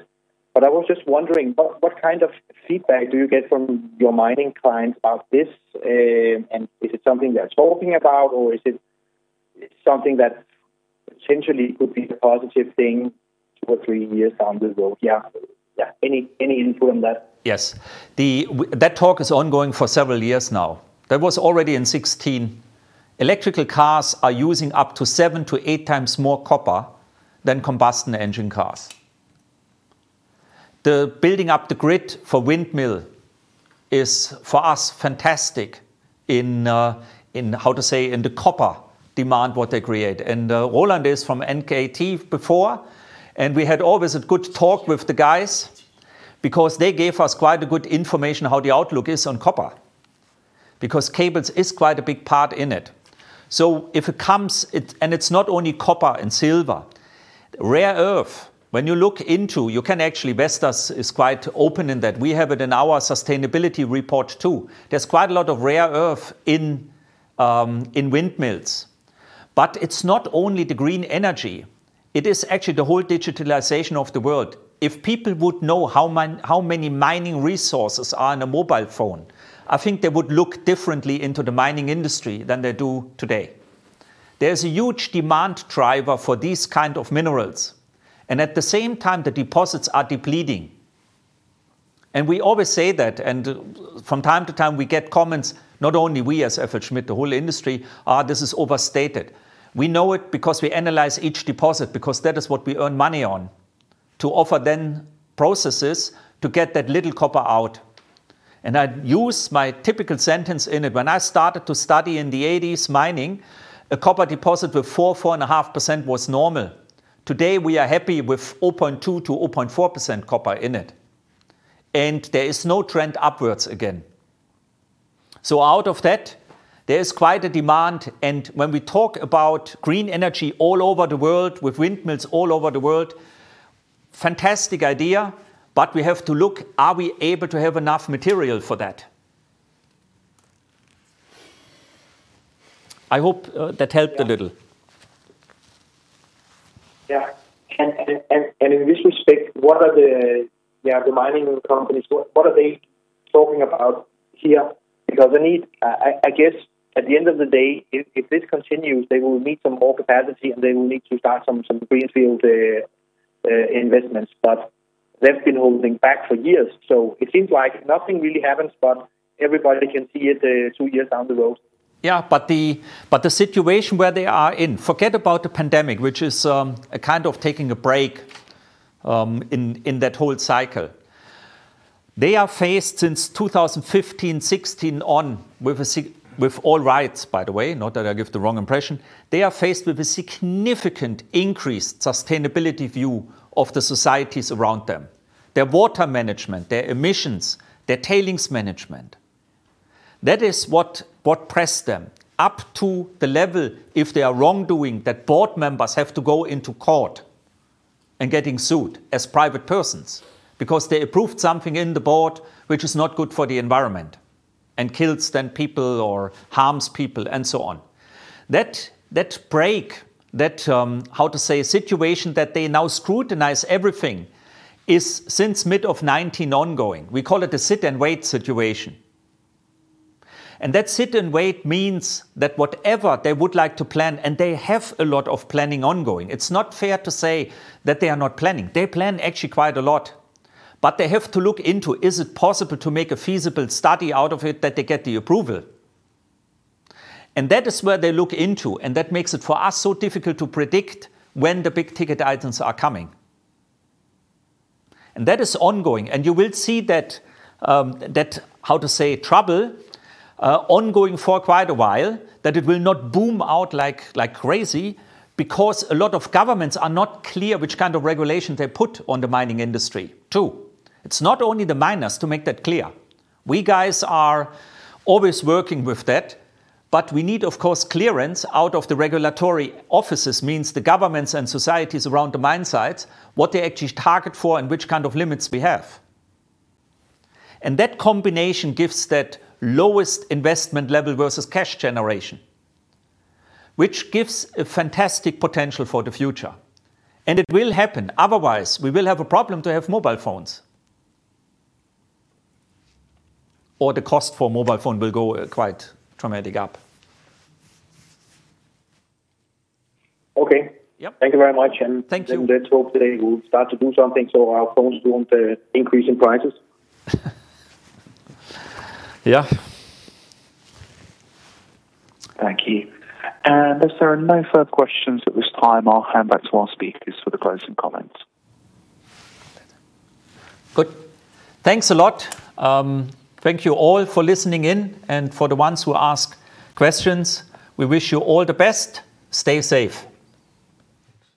I was just wondering, what kind of feedback do you get from your mining clients about this? Is it something they're talking about, or is it something that potentially could be a positive thing two or three years down the road? Yeah. Any info on that? Yes. That talk is ongoing for several years now. That was already in 2016. Electrical cars are using up to seven to eight times more copper than combustion engine cars. The building up the grid for windmill is, for us, fantastic in, how to say, in the copper demand what they create. Roland is from NKT before, we had always a good talk with the guys because they gave us quite a good information how the outlook is on copper. Cables is quite a big part in it. If it comes, it's not only copper and silver. Rare earth. When you look into, Vestas is quite open in that. We have it in our sustainability report too. There's quite a lot of rare earth in windmills. It is not only the green energy, it is actually the whole digitalization of the world. If people would know how many mining resources are in a mobile phone, I think they would look differently into the mining industry than they do today. There's a huge demand driver for these kind of minerals. At the same time, the deposits are depleting. We always say that, and from time to time, we get comments, not only we as FLSmidth, the whole industry, "Ah, this is overstated." We know it because we analyze each deposit because that is what we earn money on, to offer then processes to get that little copper out. I use my typical sentence in it. When I started to study in the 1980s mining, a copper deposit with 4%, 4.5% was normal. Today, we are happy with 0.2% to 0.4% copper in it, and there is no trend upwards again. Out of that, there is quite a demand. When we talk about green energy all over the world with windmills all over the world, fantastic idea. We have to look, are we able to have enough material for that? I hope that helped a little. Yeah. In this respect, what are the mining companies, what are they talking about here? I guess at the end of the day, if this continues, they will need some more capacity, and they will need to start some greenfield investments. They've been holding back for years, it seems like nothing really happens, but everybody can see it two years down the road. Yeah, the situation where they are in, forget about the pandemic, which is a kind of taking a break in that whole cycle. They are faced since 2015, 2016 on, with all rights, by the way, not that I give the wrong impression. They are faced with a significant increased sustainability view of the societies around them, their water management, their emissions, their tailings management. That is what pressed them up to the level if they are wrongdoing, that board members have to go into court and getting sued as private persons because they approved something in the board which is not good for the environment and kills then people or harms people and so on. That break, that, how to say, situation that they now scrutinize everything is since mid-2019 ongoing. We call it a sit-and-wait situation. That sit and wait means that whatever they would like to plan, and they have a lot of planning ongoing. It's not fair to say that they are not planning. They plan actually quite a lot, but they have to look into, is it possible to make a feasible study out of it that they get the approval? That is where they look into, and that makes it for us so difficult to predict when the big-ticket items are coming. That is ongoing, and you will see that, how to say, trouble, ongoing for quite a while. That it will not boom out like crazy because a lot of governments are not clear which kind of regulations they put on the mining industry, too. It's not only the miners, to make that clear. We guys are always working with that, but we need, of course, clearance out of the regulatory offices, means the governments and societies around the mine sites, what they actually target for and which kind of limits we have. That combination gives that lowest investment level versus cash generation, which gives a fantastic potential for the future. It will happen. Otherwise, we will have a problem to have mobile phones, or the cost for mobile phone will go quite dramatically up. Okay. Yep. Thank you very much. Thank you. Let's hope they will start to do something so our phones don't increase in prices. Yeah. Thank you. As there are no further questions at this time, I'll hand back to our speakers for the closing comments. Good. Thanks a lot. Thank you all for listening in and for the ones who asked questions. We wish you all the best. Stay safe.